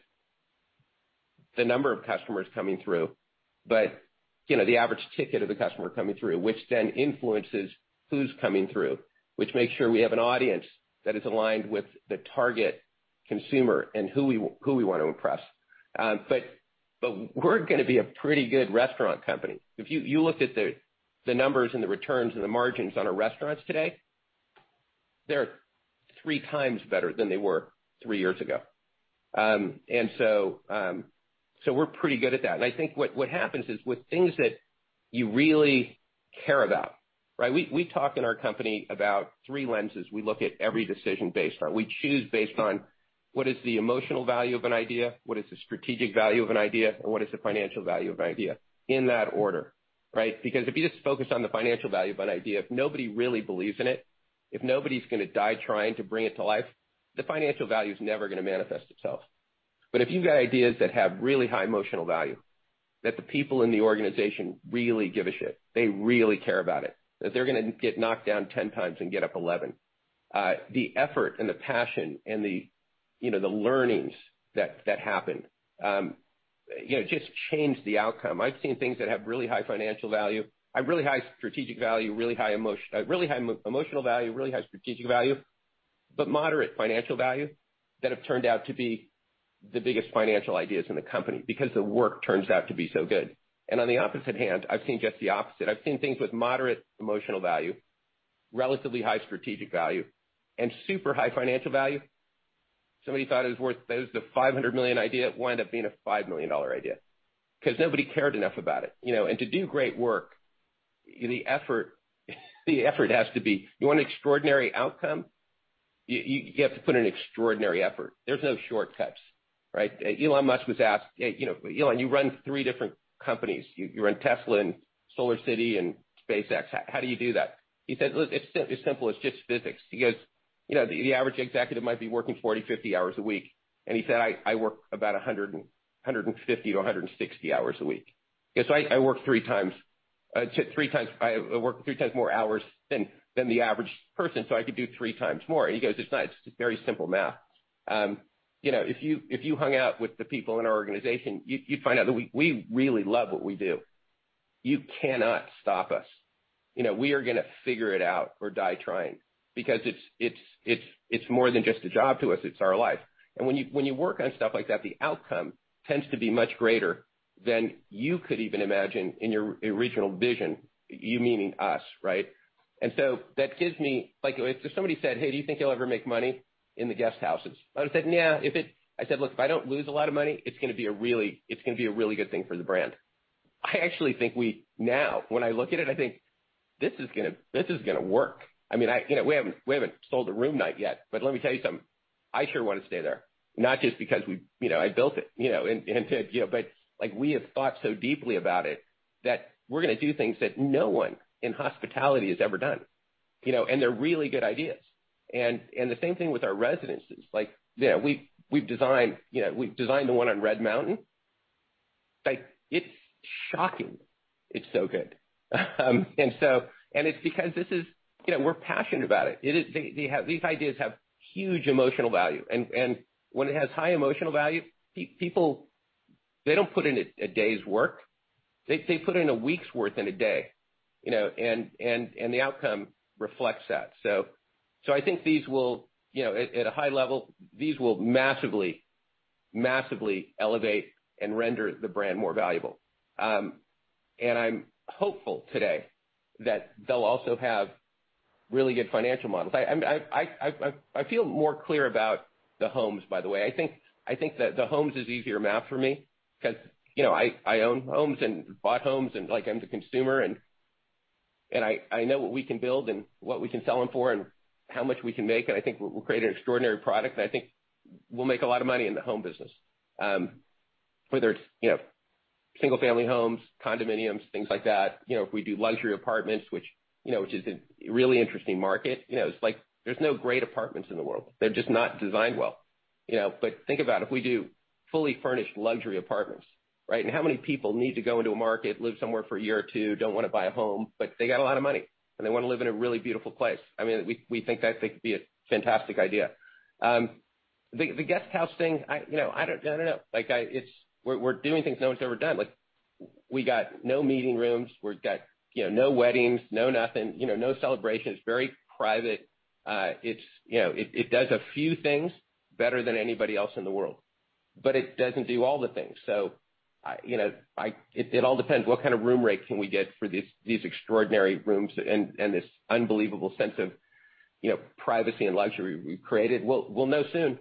the number of customers coming through, but the average ticket of the customer coming through, which then influences who's coming through, which makes sure we have an audience that is aligned with the target consumer and who we want to impress. We're going to be a pretty good restaurant company. If you looked at the numbers and the returns and the margins on our restaurants today, they're three times better than they were three years ago. We're pretty good at that. I think what happens is with things that you really care about, right? We talk in our company about three lenses we look at every decision based on. We choose based on what is the emotional value of an idea, what is the strategic value of an idea, and what is the financial value of an idea, in that order. Right? Because if you just focus on the financial value of an idea, if nobody really believes in it, if nobody's going to die trying to bring it to life, the financial value is never going to manifest itself. If you've got ideas that have really high emotional value, that the people in the organization really give a shit, they really care about it, that they're going to get knocked down 10 times and get up 11. The effort and the passion and the learnings that happen just change the outcome. I've seen things that have really high strategic value, really high emotional value, but moderate financial value that have turned out to be the biggest financial ideas in the company because the work turns out to be so good. On the opposite hand, I've seen just the opposite. I've seen things with moderate emotional value, relatively high strategic value, and super high financial value. That was the $500 million idea. It wound up being a $5 million idea because nobody cared enough about it. To do great work. You want an extraordinary outcome, you have to put in extraordinary effort. There's no shortcuts, right? Elon Musk was asked, "Elon, you run three different companies. You run Tesla and SolarCity and SpaceX. How do you do that?" He said, "Look, it's simple. It's just physics." He goes, "The average executive might be working 40, 50 hours a week." He said, "I work about 150-160 hours a week. I work three times more hours than the average person, I could do three times more." He goes, "It's very simple math." If you hung out with the people in our organization, you'd find out that we really love what we do. You cannot stop us. We are going to figure it out or die trying because it's more than just a job to us. It's our life. When you work on stuff like that, the outcome tends to be much greater than you could even imagine in your original vision. You meaning us, right? If somebody said, "Hey, do you think you'll ever make money in the guesthouses?" I would've said, "Yeah." I said, "Look, if I don't lose a lot of money, it's going to be a really good thing for the brand." I actually think now, when I look at it, I think this is going to work. We haven't sold a room night yet, but let me tell you something. I sure want to stay there. Not just because I built it, but we have thought so deeply about it that we're going to do things that no one in hospitality has ever done. They're really good ideas. The same thing with our Residences. We've designed the one on Red Mountain. It's shocking, it's so good. It's because we're passionate about it. These ideas have huge emotional value. When it has high emotional value, people don't put in a day's work. They put in a week's worth in a day, and the outcome reflects that. I think at a high level, these will massively elevate and render the brand more valuable. I'm hopeful today that they'll also have really good financial models. I feel more clear about the homes, by the way. I think that the homes is easier math for me because I own homes and bought homes, and I'm the consumer, and I know what we can build and what we can sell them for and how much we can make, and I think we'll create an extraordinary product, and I think we'll make a lot of money in the home business. Whether it's single-family homes, condominiums, things like that. If we do luxury apartments, which is a really interesting market. There's no great apartments in the world. They're just not designed well. Think about it, if we do fully furnished luxury apartments, right? How many people need to go into a market, live somewhere for a year or two, don't want to buy a home, but they got a lot of money and they want to live in a really beautiful place. We think that could be a fantastic idea. The Guesthouse thing, I don't know. We're doing things no one's ever done. We got no meeting rooms. We've got no weddings, no nothing, no celebrations, very private. It does a few things better than anybody else in the world, but it doesn't do all the things. It all depends what kind of room rate can we get for these extraordinary rooms and this unbelievable sense of privacy and luxury we've created. We'll know soon.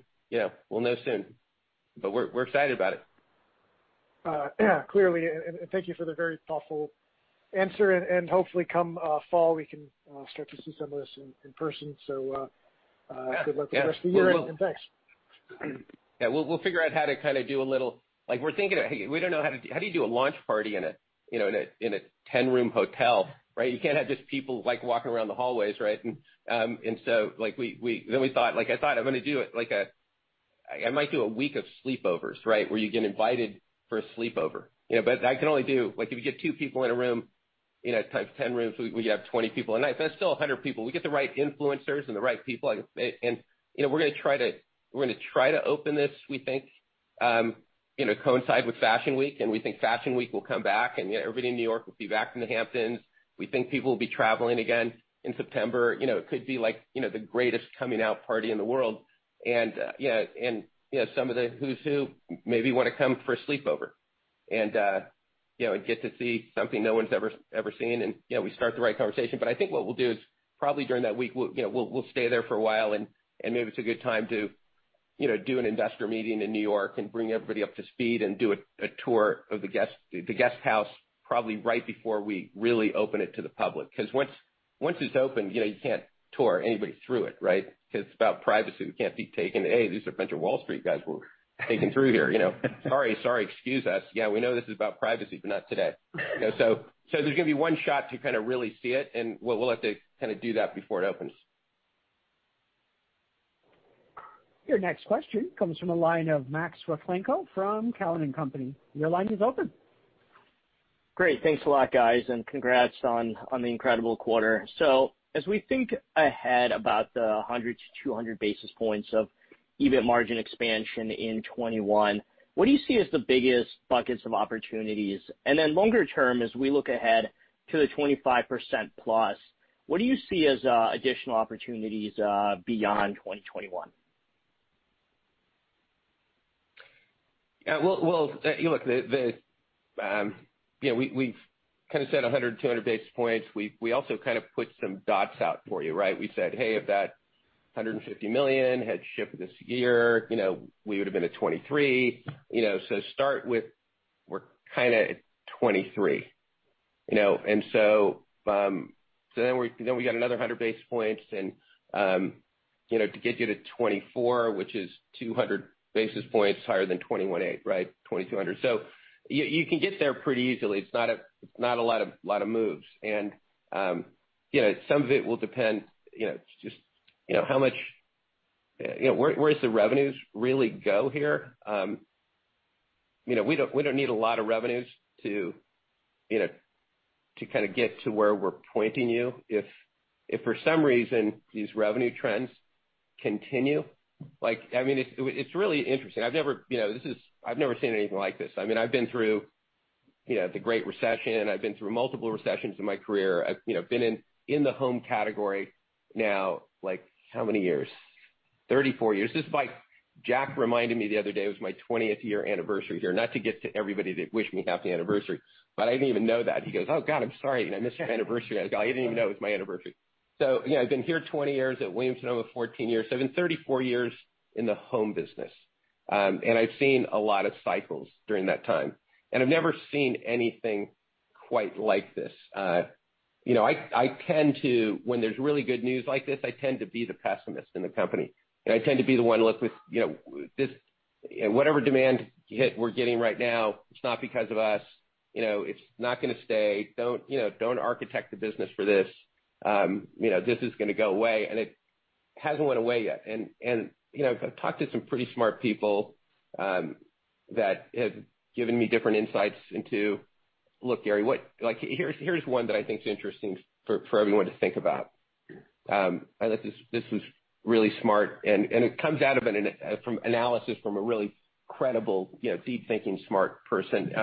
We're excited about it. Clearly, and thank you for the very thoughtful answer, and hopefully, come fall, we can start to see some of this in person. Good luck with the rest of the year, and thanks. Yeah. We'll figure out how to kind of do. We're thinking about, hey, how do you do a launch party in a 10-room hotel, right? You can't have just people walking around the hallways, right? We thought, I thought I might do a week of sleepovers, right? Where you get invited for a sleepover. If you get two people in a room, times 10 rooms, we could have 20 people a night. That's still 100 people. We get the right influencers and the right people. We're going to try to open this, we think, coincide with Fashion Week, and we think Fashion Week will come back, and everybody in New York will be back from the Hamptons. We think people will be traveling again in September. It could be the greatest coming-out party in the world. Some of the who's who maybe want to come for a sleepover. Get to see something no one's ever seen, and we start the right conversation. I think what we'll do is probably during that week, we'll stay there for a while, and maybe it's a good time to do an investor meeting in New York and bring everybody up to speed and do a tour of the Guesthouse probably right before we really open it to the public. Once it's opened, you can't tour anybody through it, right? It's about privacy. We can't be taking, "Hey, these are a bunch of Wall Street guys we're taking through here." Sorry, excuse us. Yeah, we know this is about privacy, but not today. There's going to be one shot to kind of really see it, and we'll have to do that before it opens. Your next question comes from the line of Max Rakhlenko from Cowen and Company. Your line is open. Great. Thanks a lot, guys, and congrats on the incredible quarter. As we think ahead about the 100-200 basis points of EBIT margin expansion in 2021, what do you see as the biggest buckets of opportunities? Longer term, as we look ahead to the 25%+, what do you see as additional opportunities beyond 2021? Look, we've kind of said 100-200 basis points. We also kind of put some dots out for you, right? We said, "Hey, if that $150 million had shipped this year, we would've been at 23%." Start with, we're kind of at 23%. We got another 100 basis points and to get you to 24%, which is 200 basis points higher than 21.8%, right? 22%. You can get there pretty easily. It's not a lot of moves. Some of it will depend just where's the revenues really go here? We don't need a lot of revenues to kind of get to where we're pointing you. If for some reason these revenue trends continue, like, I mean, it's really interesting. I've never seen anything like this. I mean, I've been through the great recession. I've been through multiple recessions in my career. I've been in the home category now, like how many years? 34 years. Jack reminded me the other day it was my 20th year anniversary here. Not to get to everybody to wish me happy anniversary, but I didn't even know that. He goes, "Oh, God, I'm sorry. I missed your anniversary." I go, "I didn't even know it was my anniversary." I've been here 20 years. At Williams-Sonoma 14 years. I've been 34 years in the home business. I've seen a lot of cycles during that time. I've never seen anything quite like this. When there's really good news like this, I tend to be the pessimist in the company. I tend to be the one, look with this, whatever demand hit we're getting right now, it's not because of us. It's not going to stay. Don't architect the business for this. This is going to go away, and it hasn't went away yet. I've talked to some pretty smart people that have given me different insights into Look, Gary, here's one that I think is interesting for everyone to think about. I thought this was really smart, and it comes out of an analysis from a really credible, deep-thinking, smart person.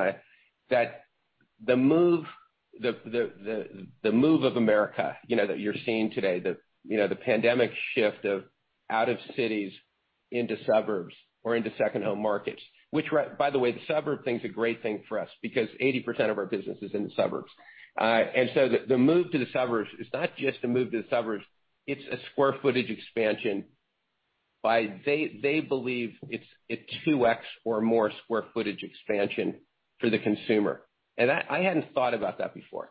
The move of America that you're seeing today, the pandemic shift of out of cities into suburbs or into second home markets. Which, by the way, the suburb thing's a great thing for us because 80% of our business is in the suburbs. The move to the suburbs is not just a move to the suburbs, it's a square footage expansion by they believe it's 2x or more square footage expansion for the consumer. I hadn't thought about that before.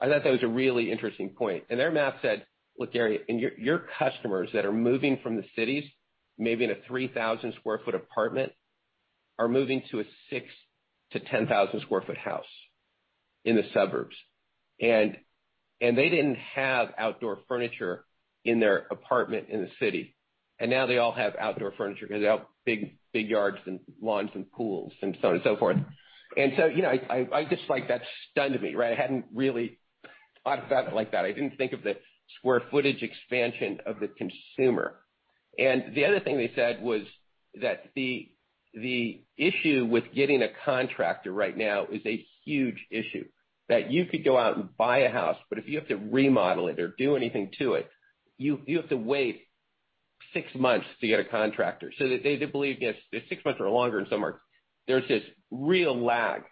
I thought that was a really interesting point. Their math said, look, Gary, your customers that are moving from the cities, maybe in a 3,000 sq ft apartment, are moving to a 6,000-10,000 sq ft house in the suburbs. They didn't have outdoor furniture in their apartment in the city. Now they all have outdoor furniture because they all have big yards and lawns and pools and so on and so forth. I just like that stunned me. I hadn't really thought about it like that. I didn't think of the square footage expansion of the consumer. The other thing they said was that the issue with getting a contractor right now is a huge issue. You could go out and buy a house, but if you have to remodel it or do anything to it, you have to wait six months to get a contractor. They believe six months or longer in some markets. There's this real lag.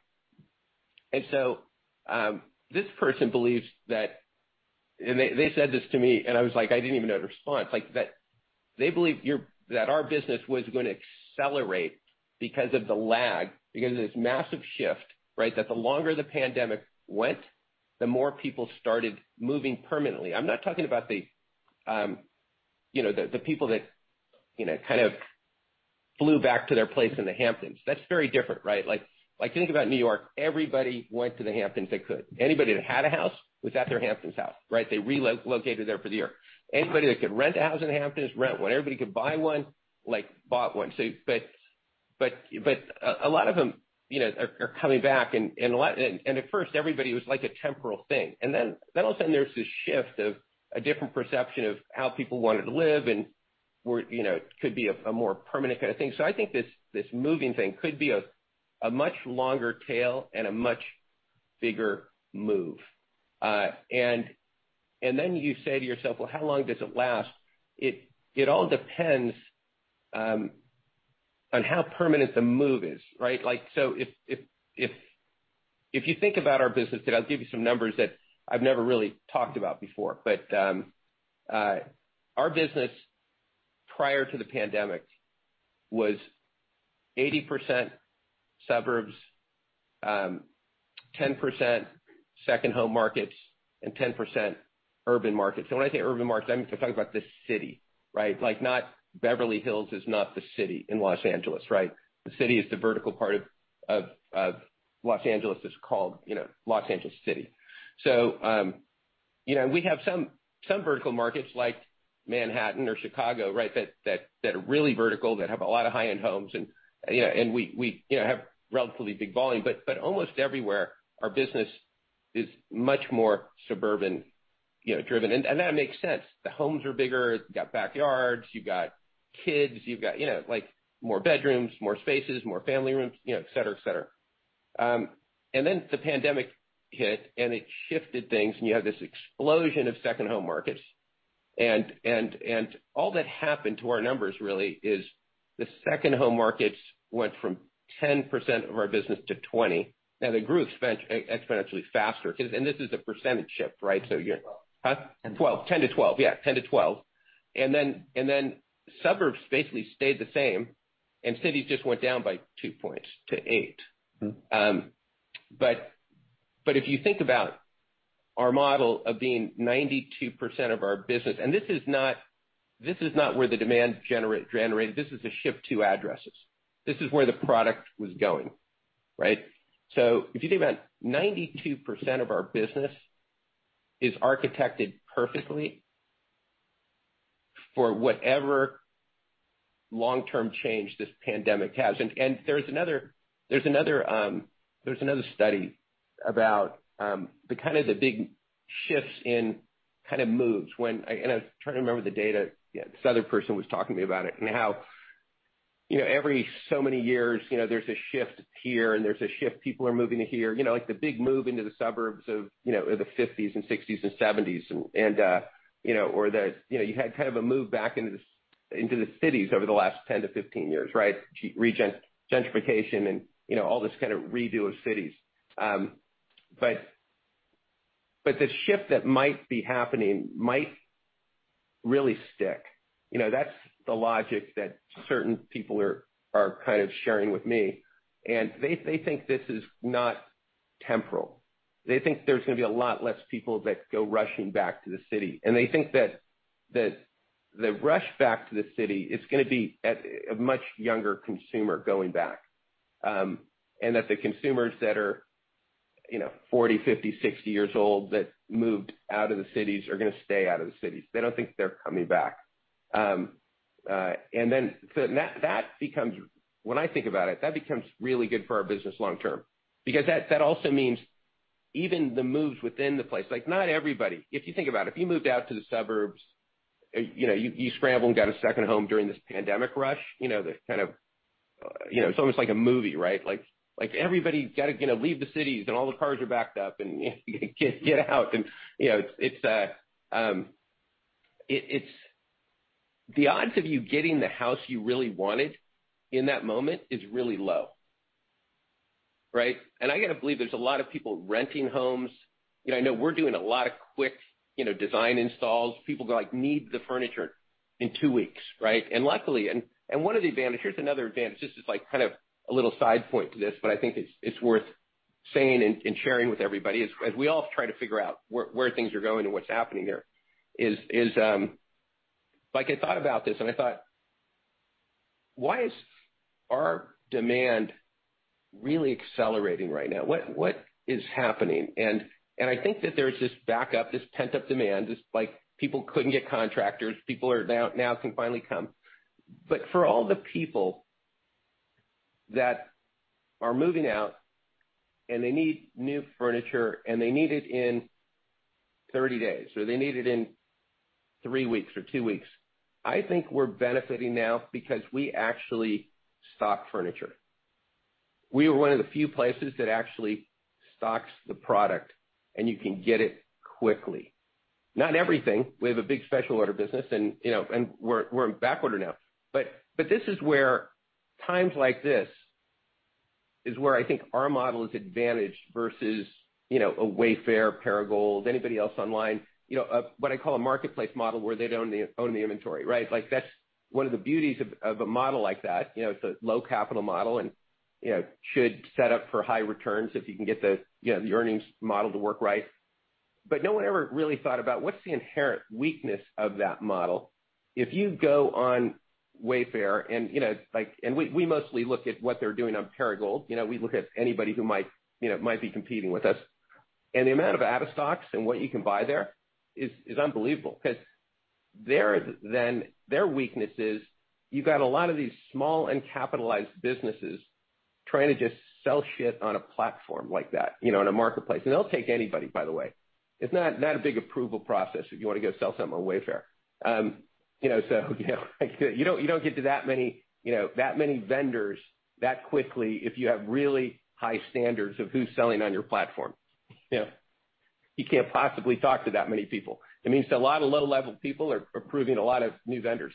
This person believes that, and they said this to me, and I was like, I didn't even know how to respond. They believe that our business was going to accelerate because of the lag, because of this massive shift, right? The longer the pandemic went, the more people started moving permanently. I'm not talking about the people that kind of flew back to their place in the Hamptons. That's very different, right? Think about New York. Everybody went to the Hamptons that could. Anybody that had a house was at their Hamptons house, right? They relocated there for the year. Anybody that could rent a house in the Hamptons rent one. Everybody could buy one, like, bought one. A lot of them are coming back, and at first, everybody was like a temporal thing. All of a sudden, there's this shift of a different perception of how people wanted to live and could be a more permanent kind of thing. I think this moving thing could be a much longer tail and a much bigger move. You say to yourself, "Well, how long does it last?" It all depends on how permanent the move is, right? If you think about our business today, I'll give you some numbers that I've never really talked about before, but our business prior to the pandemic was 80% suburbs, 10% second home markets, and 10% urban markets. When I say urban markets, I'm talking about the city, right? Beverly Hills is not the city in Los Angeles, right? The city is the vertical part of Los Angeles that's called Los Angeles City. We have some vertical markets like Manhattan or Chicago, right? That are really vertical, that have a lot of high-end homes, and we have relatively big volume. Almost everywhere, our business is much more suburban-driven, and that makes sense. The homes are bigger, you've got backyards, you've got kids, you've got more bedrooms, more spaces, more family rooms etc. Then the pandemic hit, and it shifted things, and you have this explosion of second-home markets. All that happened to our numbers, really, is the second-home markets went from 10% of our business to 20%, and it grew exponentially faster because. This is a percentage shift, right? 12%. Huh? 12% 12%. 10% to 12%. Yeah, 10% to 12%. Suburbs basically stayed the same, and cities just went down by two points to eight. If you think about our model of being 92% of our business, and this is not where the demand generated. This is a shift to addresses. This is where the product was going, right? If you think about 92% of our business is architected perfectly for whatever long-term change this pandemic has. There's another study about the big shifts in moves when I was trying to remember the data. Yeah, this other person was talking to me about it, and how every so many years, there's a shift here and there's a shift, people are moving to here. Like the big move into the suburbs of the 50s and 60s and 70s, or You had kind of a move back into the cities over the last 10-15 years, right? Gentrification and all this kind of redo of cities. The shift that might be happening might really stick. That's the logic that certain people are kind of sharing with me, and they think this is not temporal. They think there's going to be a lot less people that go rushing back to the city. They think that the rush back to the city is going to be a much younger consumer going back, and that the consumers that are 40, 50, 60 years old that moved out of the cities are going to stay out of the cities. They don't think they're coming back. When I think about it, that becomes really good for our business long term. That also means even the moves within the place. If you think about it, if you moved out to the suburbs, you scrambled and got a second home during this pandemic rush, the kind of It's almost like a movie, right? Everybody's got to leave the cities and all the cars are backed up and you get out and it's. The odds of you getting the house you really wanted in that moment is really low, right? I got to believe there's a lot of people renting homes. I know we're doing a lot of quick design installs. People need the furniture in two weeks, right? Luckily, here's another advantage. This is like kind of a little side point to this, but I think it's worth saying and sharing with everybody, as we all try to figure out where things are going and what's happening there is, like I thought about this and I thought, why is our demand really accelerating right now? What is happening? I think that there's this backup, this pent-up demand, just like people couldn't get contractors, people now can finally come. For all the people that are moving out and they need new furniture and they need it in 30 days, or they need it in three weeks or two weeks, I think we're benefiting now because we actually stock furniture. We are one of the few places that actually stocks the product, and you can get it quickly. Not everything. We have a big special order business and we're backorder now. This is where times like this I think our model is advantaged versus a Wayfair, Perigold, anybody else online, what I call a marketplace model, where they don't own the inventory, right? That's one of the beauties of a model like that. It's a low capital model, and should set up for high returns if you can get the earnings model to work right. No one ever really thought about what's the inherent weakness of that model. If you go on Wayfair and, like we mostly look at what they're doing on Perigold. We look at anybody who might be competing with us. The amount of out-of-stocks and what you can buy there is unbelievable because their weakness is you've got a lot of these small uncapitalized businesses trying to just sell shit on a platform like that, in a marketplace. They'll take anybody, by the way. It's not a big approval process if you want to go sell something on Wayfair. You don't get to that many vendors that quickly if you have really high standards of who's selling on your platform. You can't possibly talk to that many people. It means that a lot of low-level people are approving a lot of new vendors.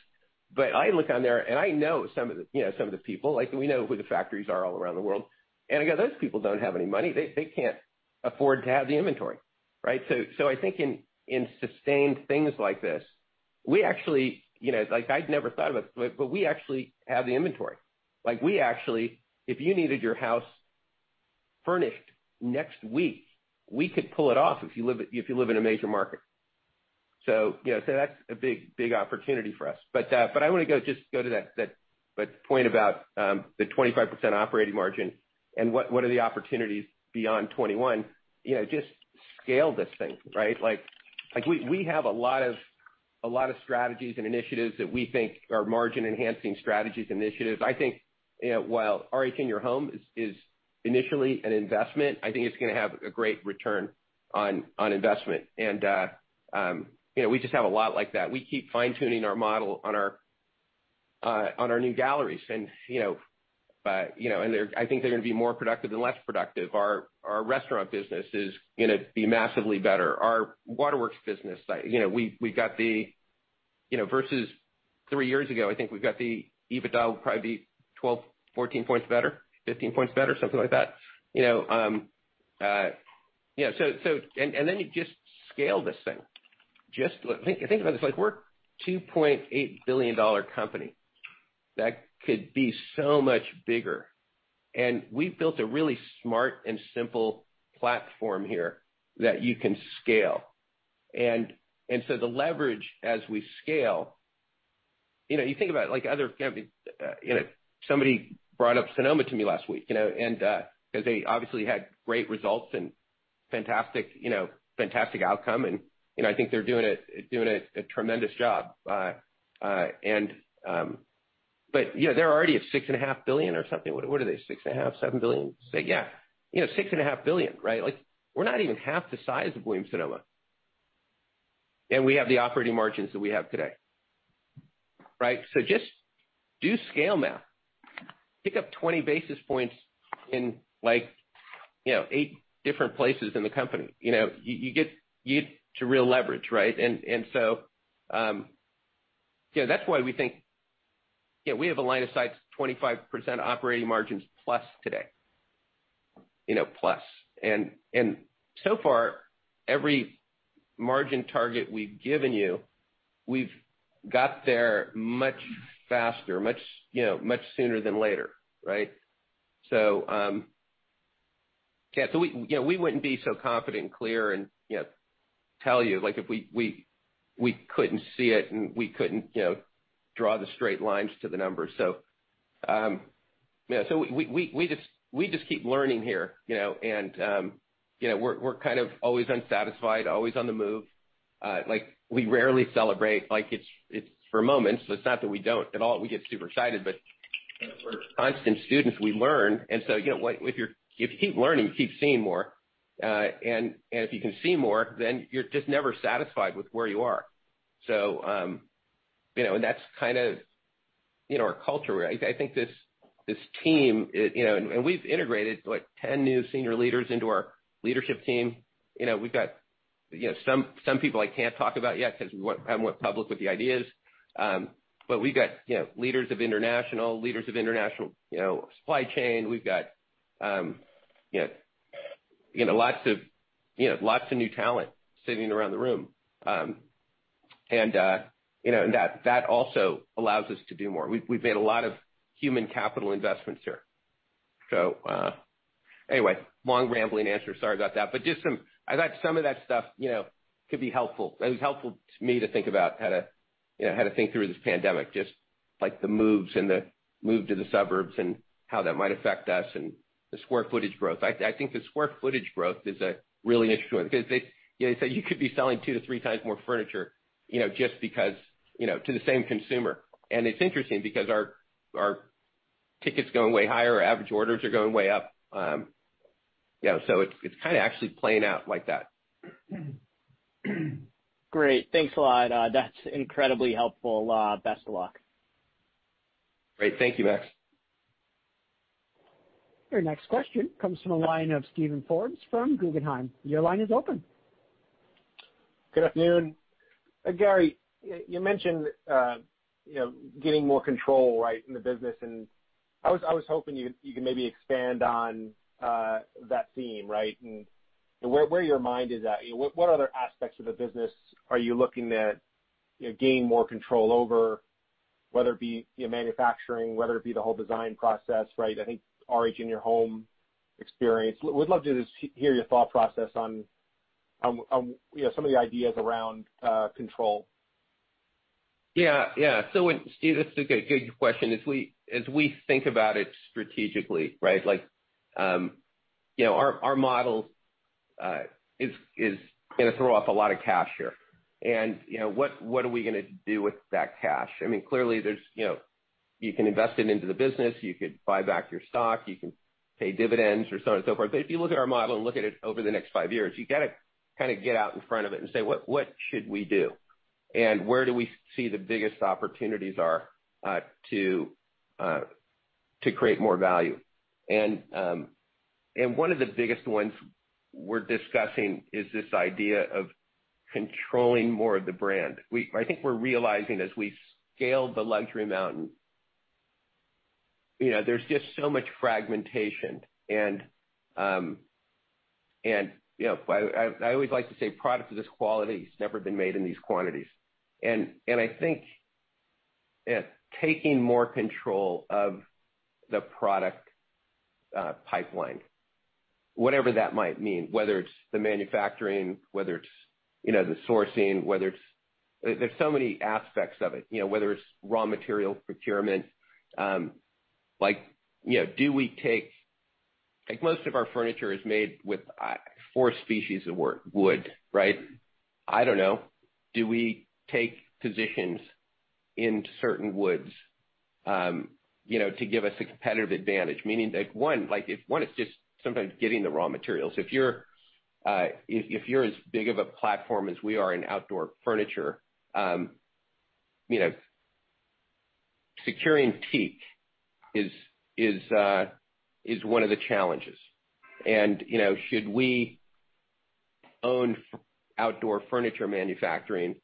I look on there, and I know some of the people. We know who the factories are all around the world, and again, those people don't have any money. They can't afford to have the inventory. Right? I think in sustained things like this, we actually, I'd never thought about it, but we actually have the inventory. We actually, if you needed your house furnished next week, we could pull it off if you live in a major market. That's a big opportunity for us. I want to just go to that point about the 25% operating margin and what are the opportunities beyond 2021. Just scale this thing, right? We have a lot of strategies and initiatives that we think are margin-enhancing strategies initiatives. I think while RH In-Your-Home is initially an investment, I think it's going to have a great return on investment. We just have a lot like that. We keep fine-tuning our model on our new galleries. I think they're going to be more productive and less productive. Our restaurant business is going to be massively better. Our Waterworks business, versus three years ago, I think we've got the EBITDA will probably be 12, 14 points better, 15 points better, something like that. You just scale this thing. Just think about this. We're a $2.8 billion company that could be so much bigger, and we've built a really smart and simple platform here that you can scale. the leverage as we scale, you think about Somebody brought up Sonoma to me last week, and they obviously had great results and fantastic outcome. I think they're doing a tremendous job. they're already at $6.5 billion or something. What are they? $6.5 billion, $7 billion? Say, yeah. $6.5 billion, right? We're not even half the size of Williams-Sonoma, and we have the operating margins that we have today. Right? just do scale math. Pick up 20 basis points in eight different places in the company. You get to real leverage, right? that's why we think we have a line of sight to 25% operating margins plus today. So far, every margin target we've given you, we've got there much faster, much sooner than later, right? We wouldn't be so confident and clear and tell you if we couldn't see it and we couldn't draw the straight lines to the numbers. We just keep learning here, and we're kind of always unsatisfied, always on the move. We rarely celebrate. It's for a moment, it's not that we don't at all. We get super excited, we're constant students. We learn, if you keep learning, you keep seeing more. If you can see more, then you're just never satisfied with where you are. That's kind of our culture. I think this team, we've integrated 10 new senior leaders into our leadership team. We've got some people I can't talk about yet because we haven't went public with the ideas. We've got leaders of international supply chain. We've got lots of new talent sitting around the room. That also allows us to do more. We've made a lot of human capital investments here. Anyway, long rambling answer. Sorry about that. I thought some of that stuff could be helpful. It was helpful to me to think about how to think through this pandemic, just the moves and the move to the suburbs and how that might affect us and the square footage growth. I think the square footage growth is a really interesting one because you could be selling 2x to 3x more furniture just because to the same consumer. It's interesting because our ticket's going way higher, our average orders are going way up. It's kind of actually playing out like that. Great. Thanks a lot. That's incredibly helpful. Best of luck. Great. Thank you, Max. Your next question comes from the line of Steven Forbes from Guggenheim. Your line is open. Good afternoon. Gary, you mentioned getting more control in the business. I was hoping you could maybe expand on that theme, right? Where your mind is at. What other aspects of the business are you looking at gaining more control over, whether it be manufacturing, whether it be the whole design process? I think RH In-Your-Home experience. Would love to just hear your thought process on some of the ideas around control. Yeah. Steven, that's a good question. As we think about it strategically, our model is going to throw off a lot of cash here. What are we going to do with that cash? Clearly, you can invest it into the business, you could buy back your stock, you can pay dividends or so on and so forth. If you look at our model and look at it over the next five years, you got to kind of get out in front of it and say, "What should we do? Where do we see the biggest opportunities are to create more value?" One of the biggest ones we're discussing is this idea of controlling more of the brand. I think we're realizing as we scale the luxury mountain, there's just so much fragmentation. I always like to say products of this quality has never been made in these quantities. I think taking more control of the product pipeline, whatever that might mean, whether it's the manufacturing, whether it's the sourcing. There's so many aspects of it. Whether it's raw material procurement. Most of our furniture is made with four species of wood, right? I don't know. Do we take positions into certain woods to give us a competitive advantage? Meaning like, one, it's just sometimes getting the raw materials. If you're as big of a platform as we are in outdoor furniture, securing teak is one of the challenges. Should we own outdoor furniture manufacturing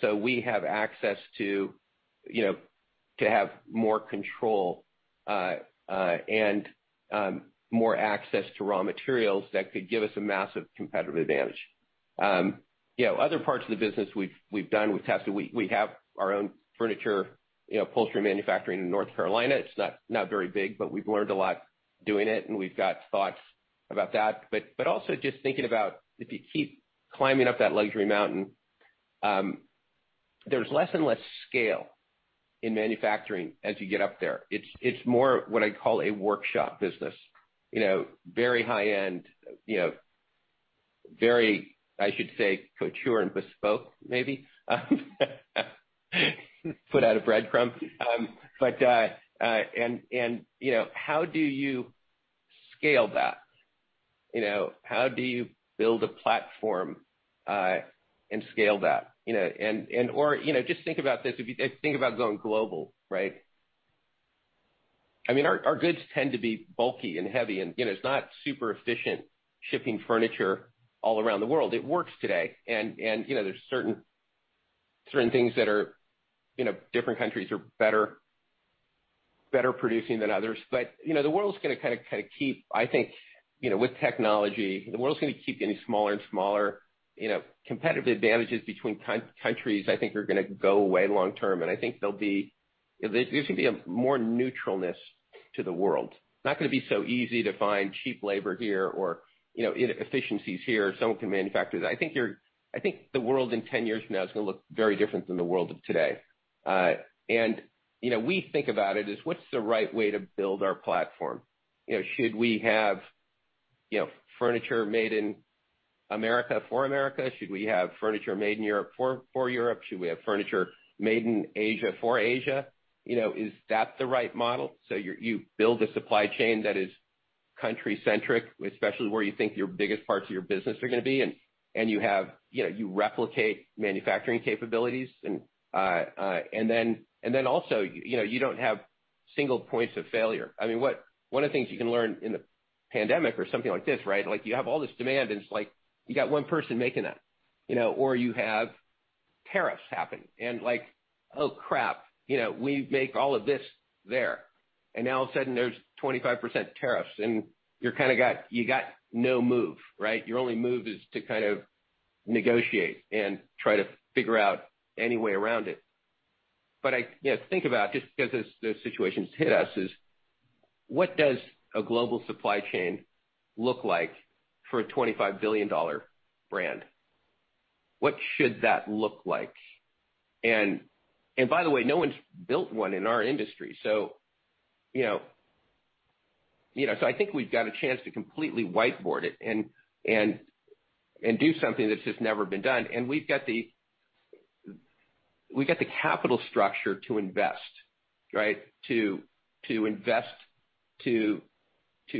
so we have access to have more control, and more access to raw materials, that could give us a massive competitive advantage. Other parts of the business we've done. We have our own furniture upholstery manufacturing in North Carolina. It's not very big, but we've learned a lot doing it, and we've got thoughts about that. Also just thinking about if you keep climbing up that luxury mountain, there's less and less scale in manufacturing as you get up there. It's more what I call a workshop business. Very high-end, very, I should say, couture and bespoke maybe. Put out a breadcrumb. How do you scale that? How do you build a platform and scale that? Just think about this, if you think about going global, right? Our goods tend to be bulky and heavy, and it's not super efficient shipping furniture all around the world. It works today. There's certain things that different countries are better producing than others. I think with technology, the world's going to keep getting smaller and smaller. Competitive advantages between countries, I think, are going to go away long term. I think there's going to be a more neutralness to the world. It's not going to be so easy to find cheap labor here or inefficiencies here, someone can manufacture that. I think the world in 10 years from now is going to look very different than the world of today. We think about it as, what's the right way to build our platform? Should we have furniture made in America for America? Should we have furniture made in Europe for Europe? Should we have furniture made in Asia for Asia? Is that the right model? You build a supply chain that is country-centric, especially where you think your biggest parts of your business are going to be, and you replicate manufacturing capabilities. You don't have single points of failure. One of the things you can learn in the pandemic or something like this, right? You have all this demand, and it's like you got one person making that. You have tariffs happen and like, "Oh, crap. We make all of this there." Now all of a sudden there's 25% tariffs and you got no move, right? Your only move is to kind of negotiate and try to figure out any way around it. Think about, just because those situations hit us is, what does a global supply chain look like for a $25 billion brand? What should that look like? By the way, no one's built one in our industry. I think we've got a chance to completely whiteboard it and do something that's just never been done. We've got the capital structure to invest, right? To invest to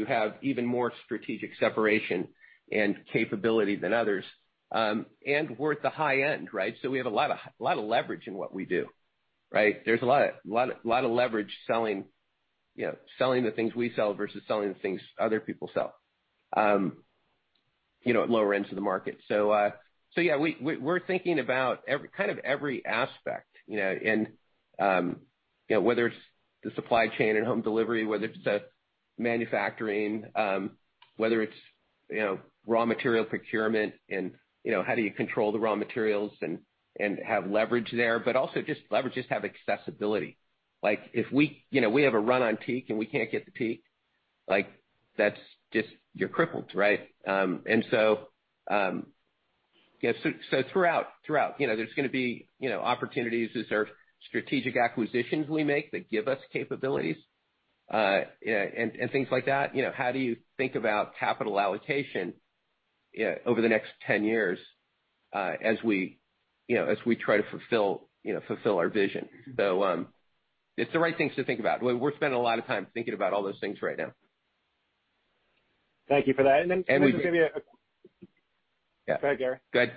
have even more strategic separation and capability than others. We're at the high end, right? We have a lot of leverage in what we do, right? There's a lot of leverage selling the things we sell versus selling the things other people sell at lower ends of the market. We're thinking about every aspect, whether it's the supply chain and home delivery, whether it's the manufacturing, whether it's raw material procurement and how do you control the raw materials and have leverage there, but also just leverage, just have accessibility. If we have a run on teak and we can't get the teak, that's you're crippled, right? Throughout there's going to be opportunities. Is there strategic acquisitions we make that give us capabilities, and things like that. How do you think about capital allocation over the next 10 years as we try to fulfill our vision. It's the right things to think about. We're spending a lot of time thinking about all those things right now. Thank you for that. And we- Just give me a Yeah. Go ahead, Gary. Go ahead.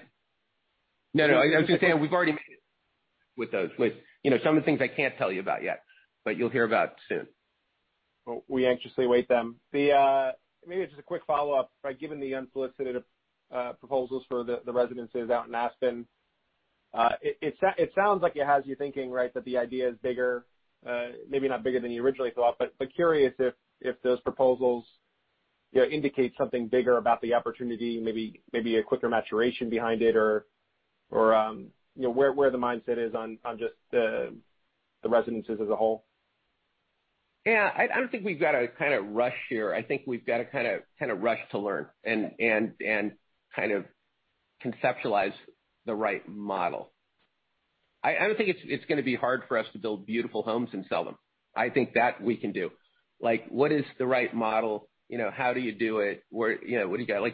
I was going to say, we've already made with those some of the things I can't tell you about yet, but you'll hear about soon. Well, we anxiously await them. Maybe just a quick follow-up. Given the unsolicited proposals for the residences out in Aspen, it sounds like it has you thinking, right, that the idea is bigger, maybe not bigger than you originally thought, but curious if those proposals indicate something bigger about the opportunity, maybe a quicker maturation behind it or where the mindset is on just the residences as a whole. Yeah. I don't think we've got to rush here. I think we've got to rush to learn and kind of conceptualize the right model. I don't think it's going to be hard for us to build beautiful homes and sell them. I think that we can do. What is the right model? How do you do it? What do you got?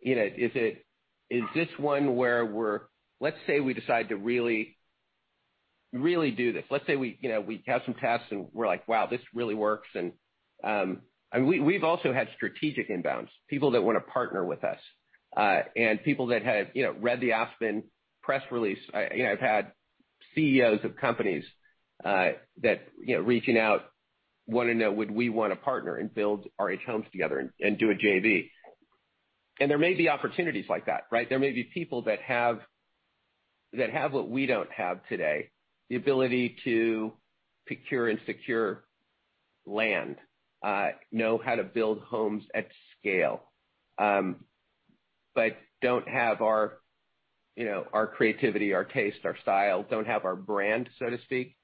Is this one where Let's say we decide to really do this. Let's say we have some tests and we're like, "Wow, this really works." We've also had strategic inbounds, people that want to partner with us, and people that have read the Aspen press release. I've had CEOs of companies that, reaching out, want to know would we want to partner and build RH Homes together and do a JV. There may be opportunities like that, right? There may be people that have what we don't have today, the ability to procure and secure land, know how to build homes at scale, but don't have our creativity, our taste, our style, don't have our brand, so to speak.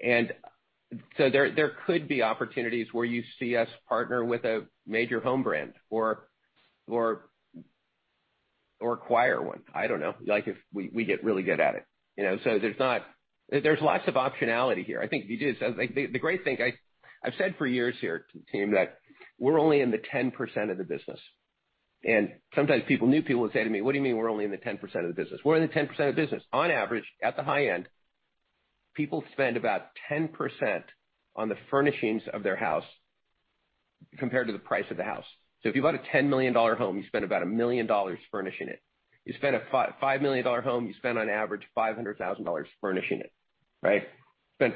There could be opportunities where you see us partner with a major home brand or acquire one. I don't know. If we get really good at it. There's lots of optionality here. I think The great thing, I've said for years here to the team that we're only in the 10% of the business. Sometimes new people would say to me, "What do you mean we're only in the 10% of the business?" We're in the 10% of business. On average, at the high end, people spend about 10% on the furnishings of their house compared to the price of the house. If you bought a $10 million home, you spend about $1 million furnishing it. You spend a $5 million home, you spend on average $500,000 furnishing it. Right? That's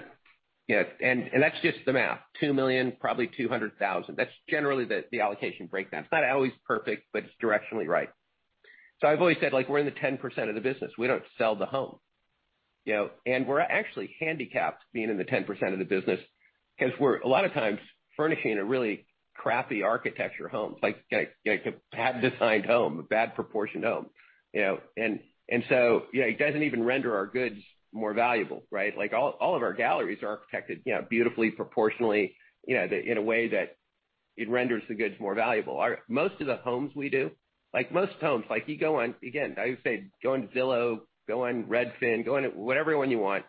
just the math, $2 million, probably $200,000. That's generally the allocation breakdown. It's not always perfect, but it's directionally right. I've always said, we're in the 10% of the business. We don't sell the home. We're actually handicapped being in the 10% of the business because we're a lot of times furnishing a really crappy architecture home, like a badly designed home, a bad proportioned home. It doesn't even render our goods more valuable, right? All of our galleries are architected beautifully, proportionally, in a way that it renders the goods more valuable. Most of the homes we do, most homes, you go on, again, I would say go on Zillow, go on Redfin, go on whatever one you want.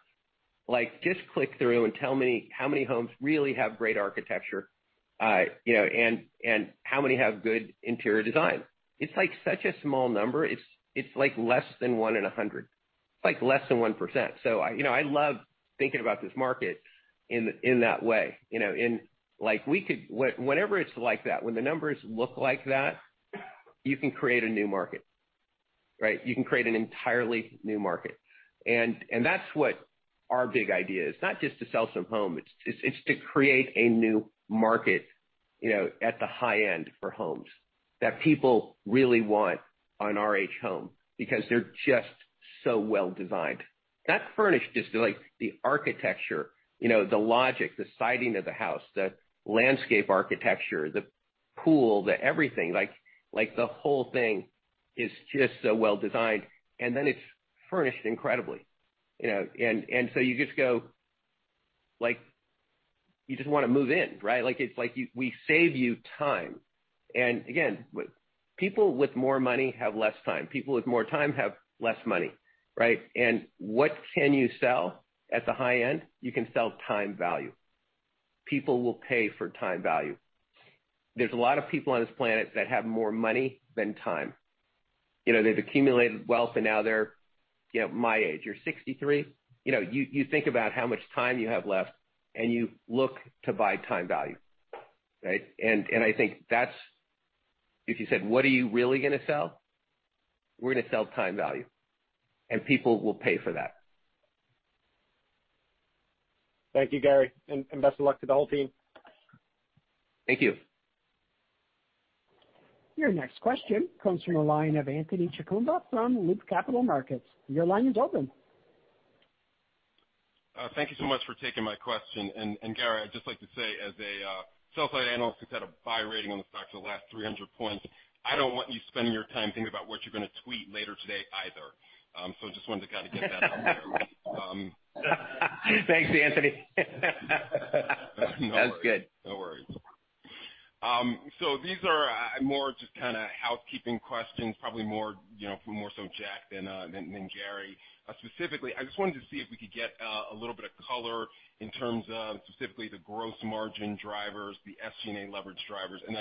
Just click through and tell me how many homes really have great architecture, and how many have good interior design. It's such a small number. It's less than one in 100. It's less than 1%. I love thinking about this market in that way. Whenever it's like that, when the numbers look like that, you can create a new market, right? You can create an entirely new market. That's what our big idea is. It's not just to sell some home. It's to create a new market at the high end for homes that people really want an RH home because they're just so well designed. Not furnished, just the architecture, the logic, the siting of the house, the landscape architecture, the pool, the everything, the whole thing is just so well designed, and then it's furnished incredibly. You just want to move in, right? We save you time. Again, people with more money have less time. People with more time have less money, right? What can you sell at the high end? You can sell time value. People will pay for time value. There's a lot of people on this planet that have more money than time. They've accumulated wealth and now they're my age. You're 63. You think about how much time you have left and you look to buy time value. Right? I think that's, if you said, "What are you really going to sell?" We're going to sell time value, and people will pay for that. Thank you, Gary. Best of luck to the whole team. Thank you. Your next question comes from the line of Anthony Chukumba from Loop Capital Markets. Your line is open. Thank you so much for taking my question. Gary, I'd just like to say as a sell-side analyst who's had a buy rating on the stock for the last 300 points, I don't want you spending your time thinking about what you're going to tweet later today either. Just wanted to kind of get that out there. Thanks, Anthony. No worries. That's good. No worries. These are more just kind of housekeeping questions, probably more so Jack than Gary. Specifically, I just wanted to see if we could get a little bit of color in terms of specifically the gross margin drivers, the SG&A leverage drivers, and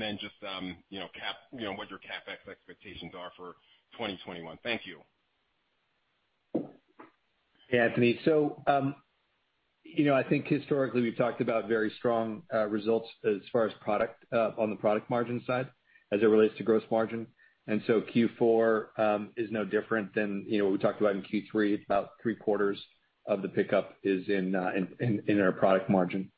then just what your CapEx expectations are for 2021. Thank you. Yeah, Anthony. I think historically we've talked about very strong results as far as on the product margin side as it relates to gross margin. Q4 is no different than what we talked about in Q3. About 3/4 of the pickup is in our product margin,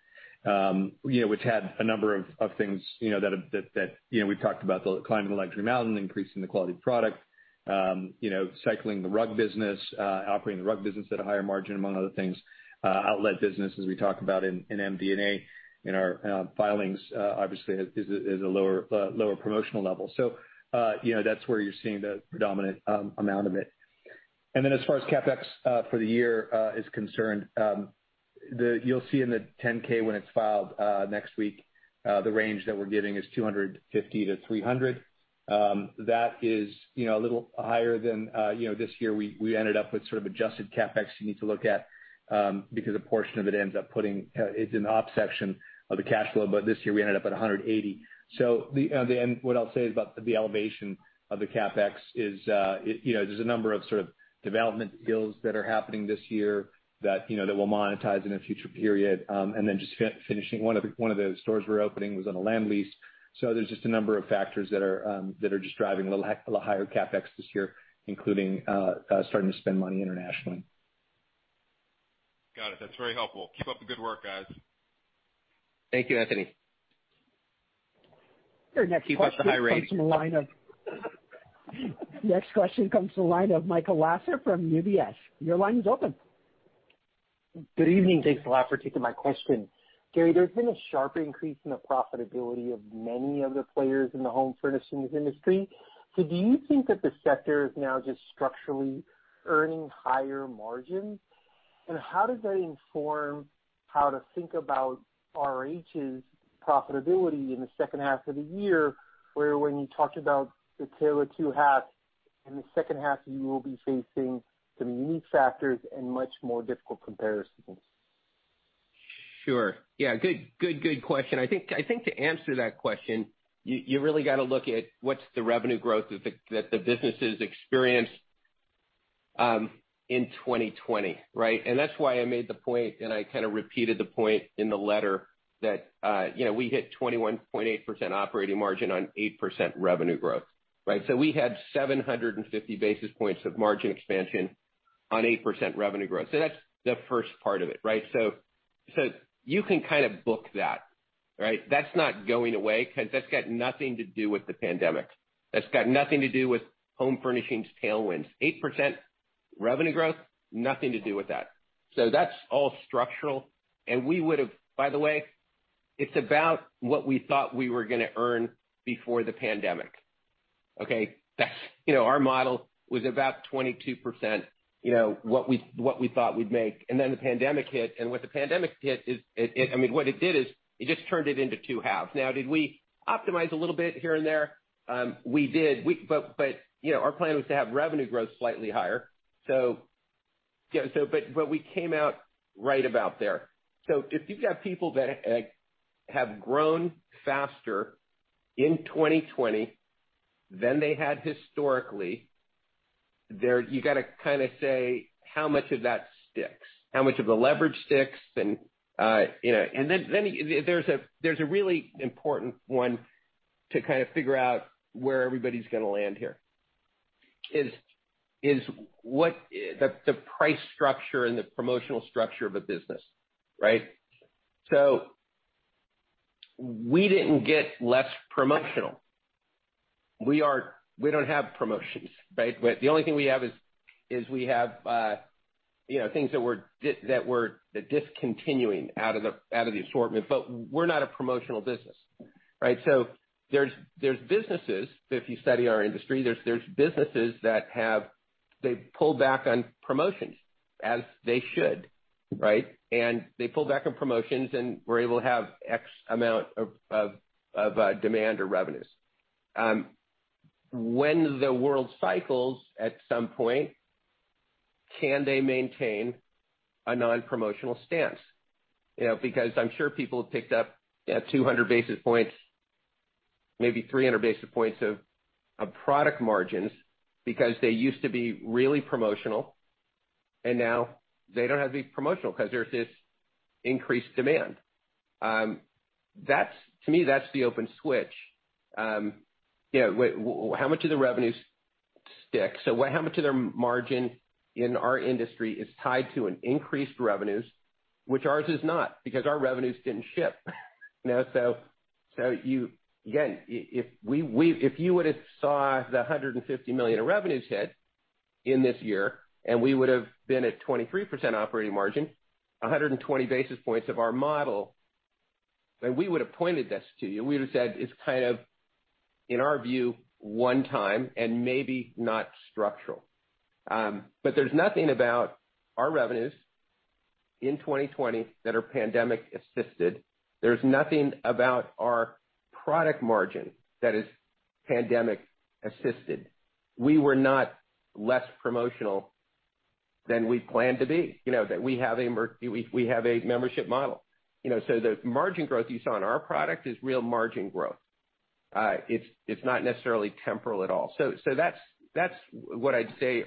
which had a number of things that we've talked about, the climbing luxury mountain, increasing the quality of product, cycling the rug business, operating the rug business at a higher margin, among other things. Outlet business, as we talk about in MD&A, in our filings, obviously is a lower promotional level. That's where you're seeing the predominant amount of it. As far as CapEx for the year is concerned, you'll see in the 10-K when it's filed next week, the range that we're giving is $250 million-$300 million. That is a little higher than this year we ended up with sort of adjusted CapEx you need to look at because a portion of it ends up. It's in the op section of the cash flow, but this year we ended up at $180 million. What I'll say is about the elevation of the CapEx is there's a number of sort of development deals that are happening this year that will monetize in a future period. Just finishing one of the stores we're opening was on a land lease. There's just a number of factors that are just driving a little higher CapEx this year, including starting to spend money internationally. Got it. That's very helpful. Keep up the good work, guys. Thank you, Anthony. Your next question comes from the line of. Keep up the high rating. The next question comes from the line of Michael Lasser from UBS. Your line is open. Good evening. Thanks a lot for taking my question. Gary, there's been a sharp increase in the profitability of many of the players in the home furnishings industry. Do you think that the sector is now just structurally earning higher margins? How does that inform how to think about RH's profitability in the second half of the year, where when you talked about the tale of two halves in the second half, you will be facing some unique factors and much more difficult comparisons? Sure. Yeah. Good question. I think to answer that question, you really got to look at what's the revenue growth that the businesses experienced in 2020, right? That's why I made the point, and I kind of repeated the point in the letter that we hit 21.8% operating margin on 8% revenue growth, right? We had 750 basis points of margin expansion on 8% revenue growth. That's the first part of it, right? You can kind of book that, right? That's not going away because that's got nothing to do with the pandemic. That's got nothing to do with home furnishings tailwinds. 8% revenue growth, nothing to do with that. That's all structural. By the way, it's about what we thought we were going to earn before the pandemic. Okay? Our model was about 22%, what we thought we'd make. Then the pandemic hit, and when the pandemic hit, what it did is it just turned it into two halves. Did we optimize a little bit here and there? We did. Our plan was to have revenue growth slightly higher. We came out right about there. If you've got people that have grown faster in 2020 than they had historically, you got to kind of say how much of that sticks, how much of the leverage sticks. Then there's a really important one to kind of figure out where everybody's going to land here, is what the price structure and the promotional structure of a business. Right? We didn't get less promotional. We don't have promotions, right? The only thing we have is we have things that we're discontinuing out of the assortment, but we're not a promotional business, right? There's businesses, if you study our industry, there's businesses that have pulled back on promotions as they should, right? They pull back on promotions and were able to have X amount of demand or revenues. When the world cycles, at some point, can they maintain a non-promotional stance? I'm sure people have picked up 200 basis points, maybe 300 basis points of product margins because they used to be really promotional, and now they don't have to be promotional because there's this increased demand. To me, that's the open switch. How much of the revenues stick? How much of their margin in our industry is tied to an increased revenues, which ours is not, because our revenues didn't slip. If you would have saw the $150 million of revenues hit in this year, we would've been at 23% operating margin, 120 basis points of our model, we would've pointed this to you. We would've said it's kind of, in our view, one-time and maybe not structural. There's nothing about our revenues in 2020 that are pandemic assisted. There's nothing about our product margin that is pandemic assisted. We were not less promotional than we planned to be. We have a membership model. The margin growth you saw on our product is real margin growth. It's not necessarily temporal at all. That's what I'd say.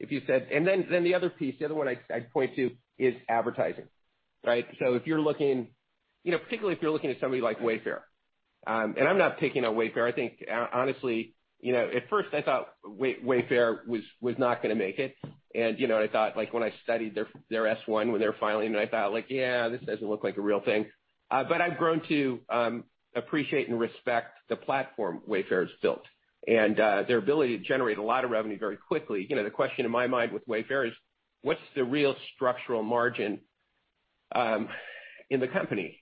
The other piece, the other one I'd point to is advertising. Right? Particularly if you're looking at somebody like Wayfair, I'm not picking on Wayfair, I think, honestly, at first I thought Wayfair was not going to make it. I thought, when I studied their S1 when they were filing, and I thought, like, "Yeah, this doesn't look like a real thing." I've grown to appreciate and respect the platform Wayfair has built and their ability to generate a lot of revenue very quickly. The question in my mind with Wayfair is what's the real structural margin in the company?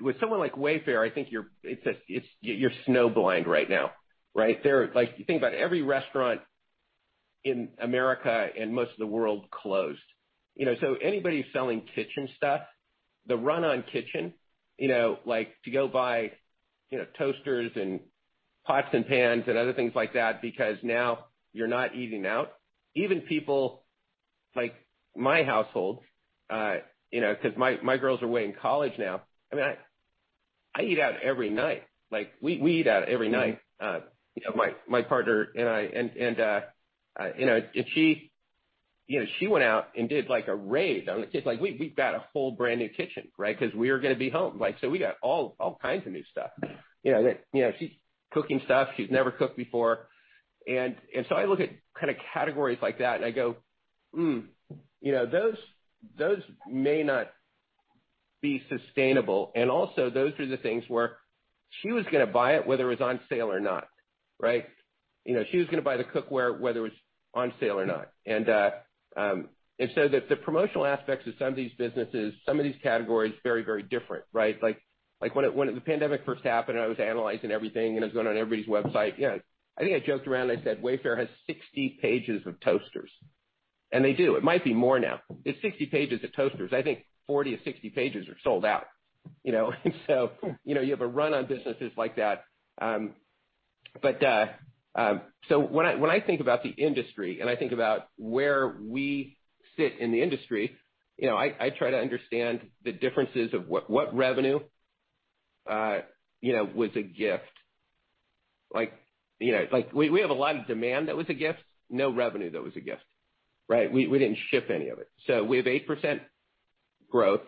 With someone like Wayfair, I think you're snow blind right now. Right? If you think about every restaurant in America and most of the world closed. Anybody selling kitchen stuff, the run on kitchen, like to go buy toasters and pots and pans and other things like that, because now you're not eating out. Even people like my household, because my girls are away in college now. I eat out every night. We eat out every night. My partner and I, she went out and did like a raid on the kids. We've got a whole brand new kitchen, right? Because we are going to be home. We got all kinds of new stuff. She's cooking stuff she's never cooked before. I look at kind of categories like that and I go, "Hmm, those may not be sustainable." Those are the things where she was going to buy it whether it was on sale or not. Right? She was going to buy the cookware whether it was on sale or not. The promotional aspects of some of these businesses, some of these categories, very, very different. Right. When the pandemic first happened, I was analyzing everything, and I was going on everybody's website. I think I joked around, I said, "Wayfair has 60 pages of toasters." They do. It might be more now. It's 60 pages of toasters. I think 40-60 pages are sold out. You have a run on businesses like that. When I think about the industry, and I think about where we sit in the industry, I try to understand the differences of what revenue was a gift. We have a lot of demand that was a gift, no revenue that was a gift. Right. We didn't slip any of it. We have 8% growth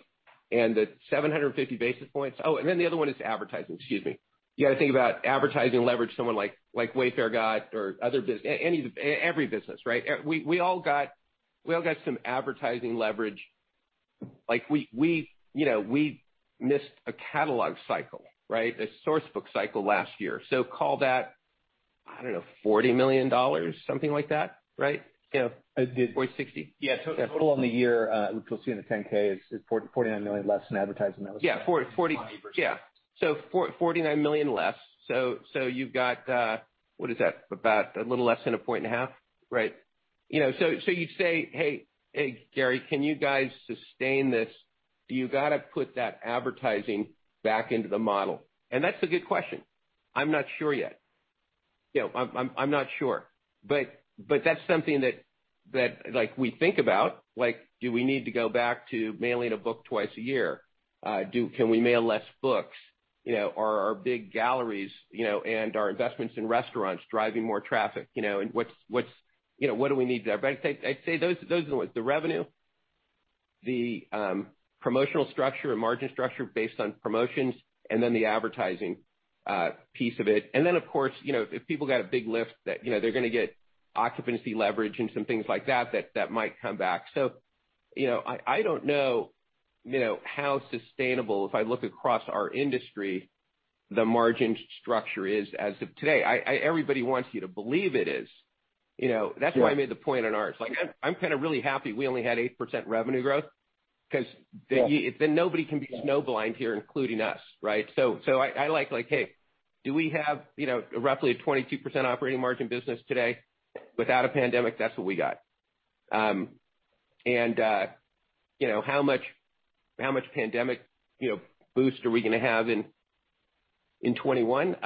and the 750 basis points. The other one is advertising. Excuse me. You got to think about advertising leverage someone like Wayfair got or every business, right? We all got some advertising leverage. We missed a Source Book cycle last year. Right? Call that, I don't know, $40 million, something like that. Right? $40 million-$60 million. Yeah. Full on the year, which we'll see in the 10-K, is $49 million less in advertising. Yeah. 40% $49 million less. You've got, what is that? About a little less than 1.5 points, right? You'd say, "Hey, Gary, can you guys sustain this? You got to put that advertising back into the model." That's a good question. I'm not sure yet. I'm not sure. That's something that we think about, like, do we need to go back to mailing a book twice a year? Can we mail less books? Are our big galleries and our investments in restaurants driving more traffic? What do we need there? I'd say those are the ones, the revenue, the promotional structure and margin structure based on promotions, and then the advertising piece of it. Of course, if people got a big lift that they're going to get occupancy leverage and some things like that might come back. I don't know how sustainable, if I look across our industry, the margin structure is as of today. Everybody wants you to believe it is. Yeah. That's why I made the point on ours. I'm kind of really happy we only had 8% revenue growth because. Yeah Nobody can be snow blind here, including us, right. I like, hey, do we have roughly a 22% operating margin business today without a pandemic? That's what we got. How much pandemic boost are we going to have in 2021?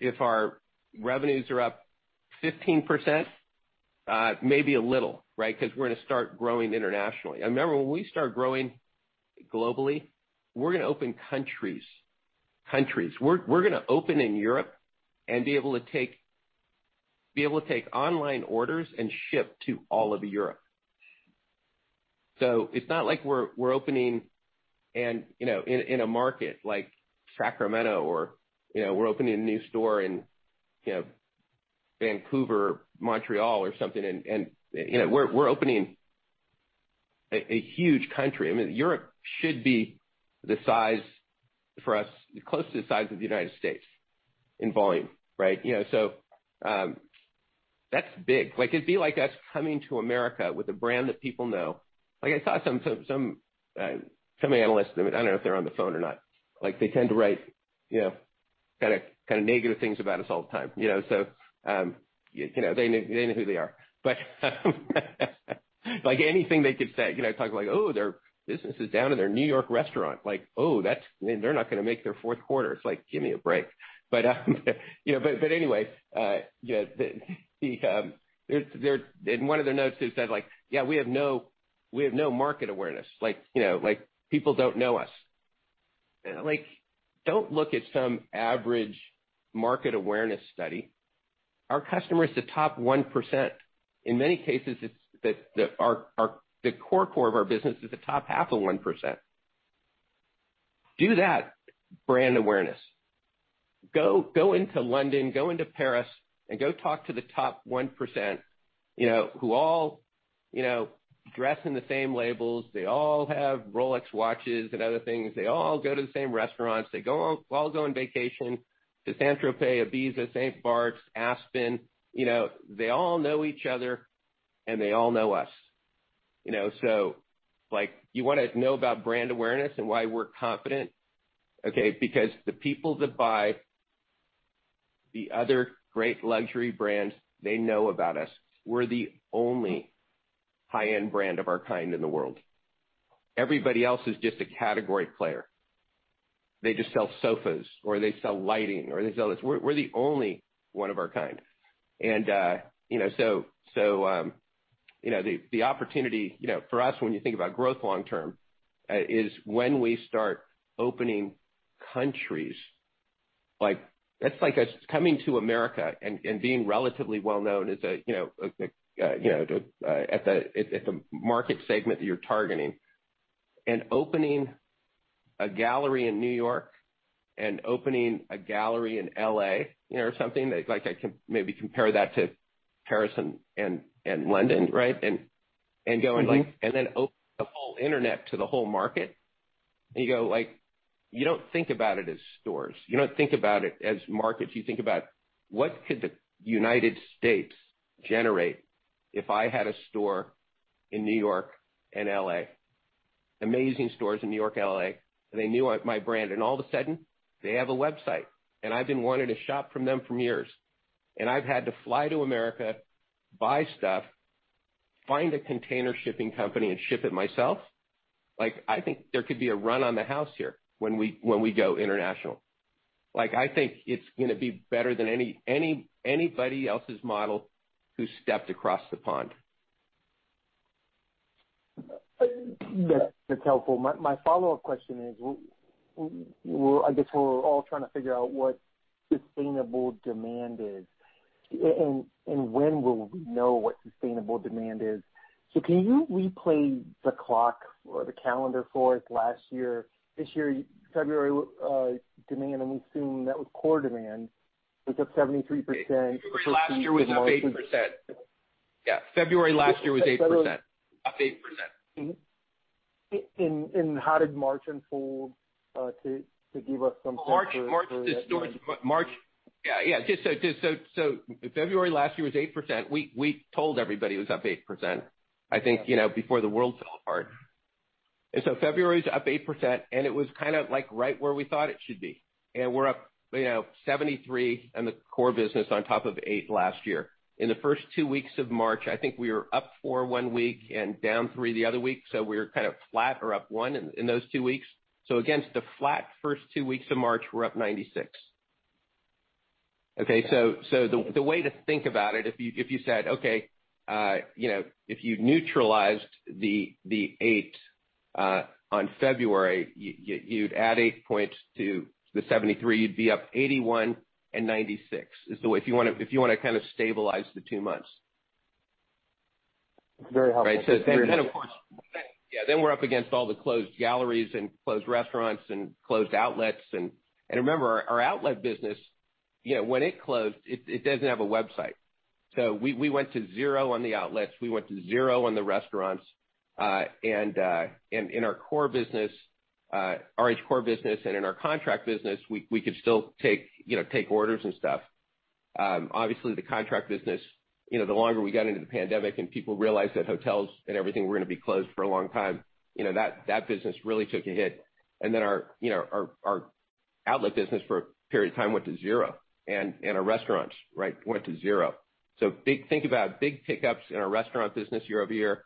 If our revenues are up 15%, maybe a little, right. Because we're going to start growing internationally. Remember, when we start growing globally, we're going to open countries. We're going to open in Europe and be able to take online orders and ship to all of Europe. It's not like we're opening in a market like Sacramento, or we're opening a new store in Vancouver, Montreal or something, and we're opening a huge country. Europe should be the size for us, close to the size of the United States in volume. Right? That's big. It'd be like us coming to America with a brand that people know. I saw some analysts, I don't know if they're on the phone or not. They tend to write kind of negative things about us all the time. They know who they are. Anything they could say, talk about, "Oh, their business is down in their New York restaurant. Oh, they're not going to make their fourth quarter." It's like, give me a break. Anyway, in one of their notes, they said, "Yeah, we have no market awareness. People don't know us." Don't look at some average market awareness study. Our customer is the top 1%. In many cases, the core core of our business is the top half of 1%. Do that brand awareness. Go into London, go into Paris, and go talk to the top 1%, who all dress in the same labels. They all have Rolex watches and other things. They all go to the same restaurants. They all go on vacation to Saint-Tropez, Ibiza, St. Barts, Aspen. They all know each other, and they all know us. You want to know about brand awareness and why we're confident? Okay, because the people that buy the other great luxury brands, they know about us. We're the only high-end brand of our kind in the world. Everybody else is just a category player. They just sell sofas, or they sell lighting, or they sell this. We're the only one of our kind. The opportunity for us when you think about growth long term is when we start opening countries. That's like us coming to America and being relatively well-known at the market segment that you're targeting, and opening a gallery in New York and opening a gallery in L.A. or something like I can maybe compare that to Paris and London, right? Then open the whole internet to the whole market, and you go like, you don't think about it as stores. You don't think about it as markets. You think about what could the United States generate if I had a store in New York and L.A., amazing stores in New York and L.A., and they knew my brand. All of a sudden, they have a website, and I've been wanting to shop from them for years. I've had to fly to America, buy stuff, find a container shipping company, and ship it myself. I think there could be a run on the house here when we go international. I think it's going to be better than anybody else's model who stepped across the pond. That's helpful. My follow-up question is, I guess we're all trying to figure out what sustainable demand is, and when will we know what sustainable demand is. Can you replay the clock or the calendar for us last year, this year, February demand, and we assume that was core demand, was up 73%. Last year was up 8%. Yeah. February last year was 8%, up 8%. How did March unfold to give us some sense? March, yeah. February last year was 8%. We told everybody it was up 8%, I think before the world fell apart. February is up 8%, and it was kind of right where we thought it should be. We're up 73% in the core business on top of 8% last year. In the first two weeks of March, I think we were up 4% one week and down 3% the other week, so we were kind of flat or up 1% in those two weeks. Against the flat first two weeks of March, we're up 96%. Okay. Yeah. The way to think about it, if you said, okay if you neutralized the eight on February, you'd add 8 points to the 73%, you'd be up 81% and 96% is the way, if you want to kind of stabilize the two months. Very helpful. Thank you. Of course, yeah, then we're up against all the closed galleries and closed restaurants and closed outlets. Remember, our outlet business when it closed, it doesn't have a website. We went to zero on the outlets. We went to zero on the restaurants. In our core business, RH Core business, and in our contract business, we could still take orders and stuff. Obviously, the contract business, the longer we got into the pandemic, and people realized that hotels and everything were going to be closed for a long time, that business really took a hit. Our outlet business for a period of time went to zero, and our restaurants went to zero. Think about big pickups in our restaurant business year-over-year,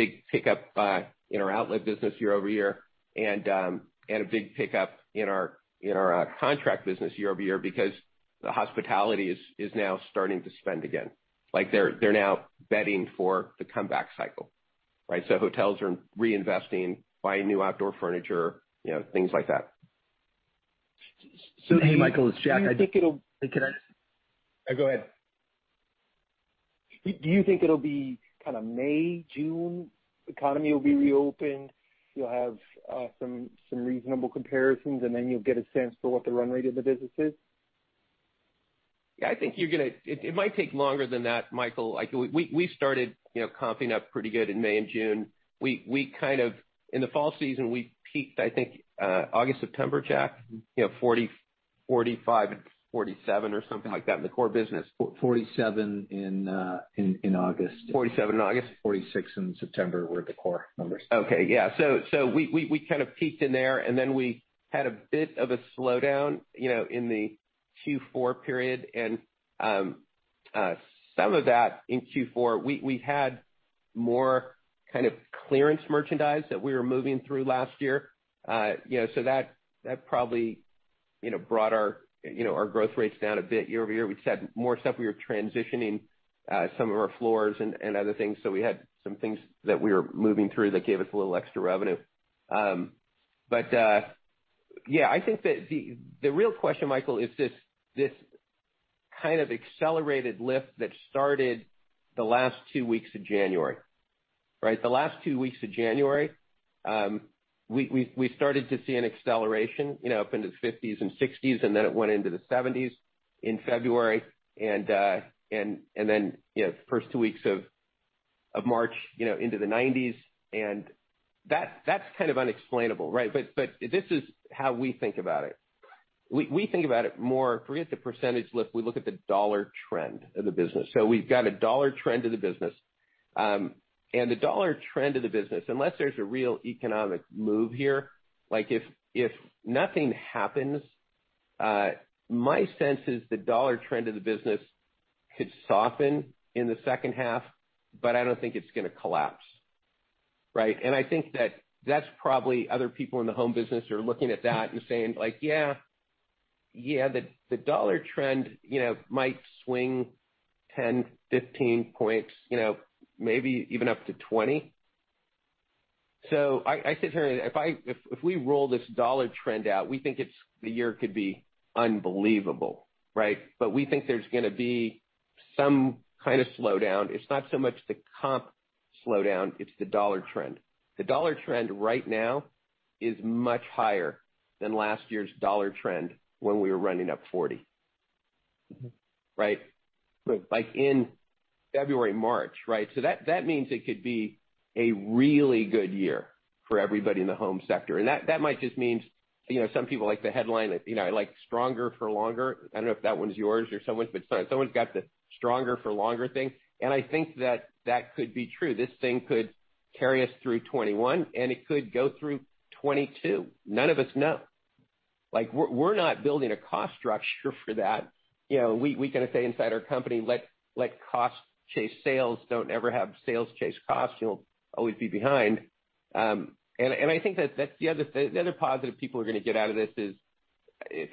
big pickup in our outlet business year-over-year, and a big pickup in our contract business year-over-year because the hospitality is now starting to spend again. They're now betting for the comeback cycle. Hotels are reinvesting, buying new outdoor furniture, things like that. Hey, Michael, it's Jack. Do you think Can I? Go ahead. Do you think it'll be kind of May, June, the economy will be reopened, you'll have some reasonable comparisons, and then you'll get a sense for what the run rate of the business is? It might take longer than that, Michael. We started comping up pretty good in May and June. In the fall season, we peaked, I think, August, September, Jack, 45% and 47% or something like that in the core business. 47% in August. 47% in August. 46% in September were the core numbers. Okay. Yeah. We kind of peaked in there, and then we had a bit of a slowdown in the Q4 period. Some of that in Q4, we had more kind of clearance merchandise that we were moving through last year. That probably brought our growth rates down a bit year-over-year. We've said more stuff. We were transitioning some of our floors and other things, so we had some things that we were moving through that gave us a little extra revenue. I think that the real question, Michael, is this kind of accelerated lift that started the last two weeks of January. Right? The last two weeks of January, we started to see an acceleration, up into the 50s and 60s, and then it went into the 70s in February, and then the first two weeks of March into the 90s. That's kind of unexplainable. This is how we think about it. We think about it more, forget the percentage lift, we look at the dollar trend of the business. We've got a dollar trend of the business. The dollar trend of the business, unless there's a real economic move here, like if nothing happens, my sense is the dollar trend of the business could soften in the second half, but I don't think it's going to collapse. Right? I think that's probably other people in the home business are looking at that and saying, "Yeah, the dollar trend might swing 10, 15 points, maybe even up to 20 points." I say to him, "If we roll this dollar trend out, we think the year could be unbelievable." We think there's going to be some kind of slowdown. It's not so much the comp slowdown, it's the dollar trend. The dollar trend right now is much higher than last year's dollar trend when we were running up 40%. Like in February, March, right? That means it could be a really good year for everybody in the home sector. That might just mean some people like the headline, like Stronger for Longer. I don't know if that one's yours or someone's got the Stronger for Longer thing, I think that could be true. This thing could carry us through 2021, it could go through 2022. None of us know. We're not building a cost structure for that. We kind of say inside our company, let cost chase sales. Don't ever have sales chase costs. You'll always be behind. I think that the other positive people are going to get out of this is,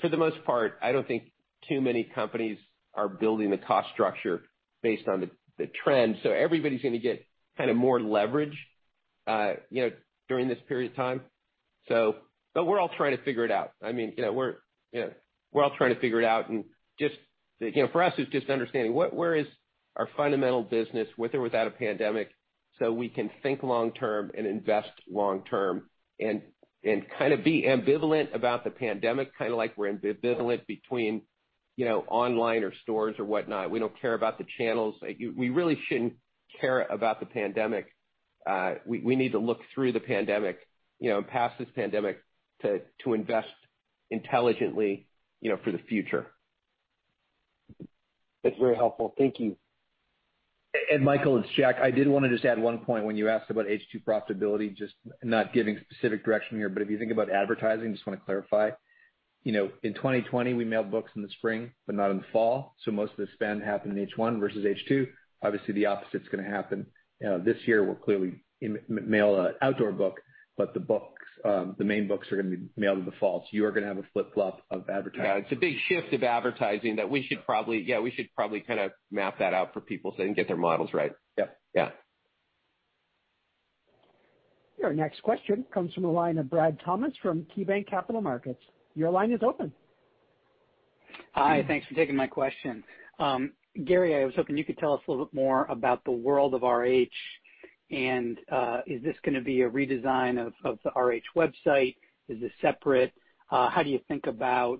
for the most part, I don't think too many companies are building the cost structure based on the trend. Everybody's going to get kind of more leverage during this period of time. We're all trying to figure it out. We're all trying to figure it out, and for us, it's just understanding where is our fundamental business, with or without a pandemic, so we can think long term and invest long term and kind of be ambivalent about the pandemic, kind of like we're ambivalent between online or stores or whatnot. We don't care about the channels. We really shouldn't care about the pandemic. We need to look through the pandemic, and past this pandemic to invest intelligently for the future. That's very helpful. Thank you. Michael, it's Jack. I did want to just add one point when you asked about H2 profitability, just not giving specific direction here, but if you think about advertising, just want to clarify. In 2020, we mailed books in the spring but not in the fall, so most of the spend happened in H1 versus H2. Obviously, the opposite's going to happen. This year, we'll clearly mail an outdoor book, but the main books are going to be mailed in the fall. You are going to have a flip-flop of advertising. It's a big shift of advertising that we should probably kind of map that out for people so they can get their models right. Yeah. Yeah. Your next question comes from the line of Brad Thomas from KeyBanc Capital Markets. Your line is open. Hi. Thanks for taking my question. Gary, I was hoping you could tell us a little bit more about the World of RH. Is this going to be a redesign of the RH website? Is this separate? How do you think about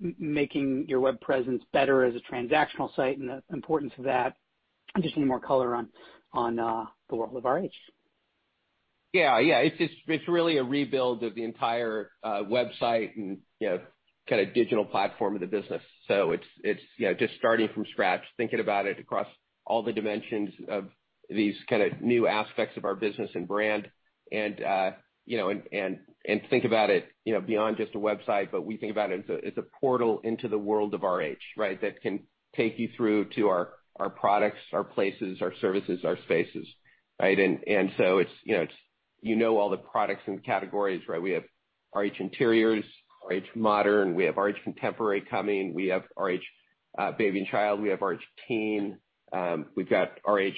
making your web presence better as a transactional site and the importance of that? I just need more color on the World of RH. Yeah. It's really a rebuild of the entire website and kind of digital platform of the business. It's just starting from scratch, thinking about it across all the dimensions of these kind of new aspects of our business and brand and think about it beyond just a website, but we think about it as a portal into the World of RH that can take you through to our products, our places, our services, our spaces. Right? You know all the products and categories. We have RH Interiors, RH Modern. We have RH Contemporary coming. We have RH Baby & Child. We have RH Teen. We've got RH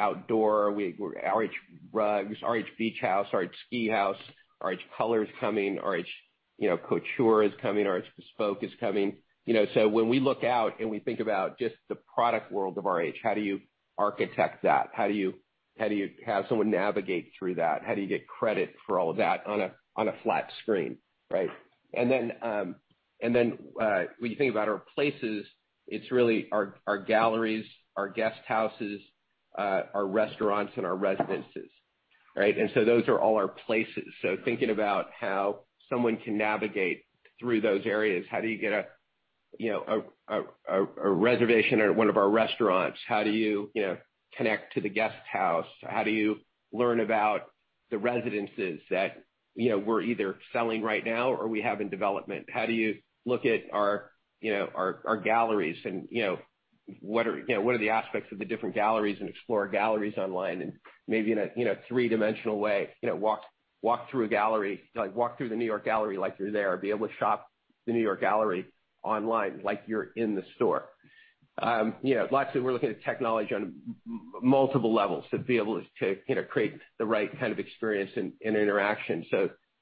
Outdoor. We've RH Rugs, RH Beach House, RH Ski House, RH Color is coming. RH Couture is coming. RH Bespoke is coming. When we look out and we think about just the product world of RH, how do you architect that? How do you have someone navigate through that? How do you get credit for all of that on a flat screen, right? When you think about our places, it's really our RH galleries, our RH Guesthouses, our RH restaurants, and our RH Residences. Right? Those are all our places. Thinking about how someone can navigate through those areas. How do you get a reservation at one of our RH restaurants? How do you connect to the RH Guesthouse? How do you learn about the RH Residences that we're either selling right now or we have in development? How do you look at our galleries and what are the aspects of the different galleries and explore galleries online and maybe in a three-dimensional way walk through a gallery, like walk through the New York gallery like you're there, or be able to shop the New York gallery online like you're in the store. We're looking at technology on multiple levels to be able to create the right kind of experience and interaction.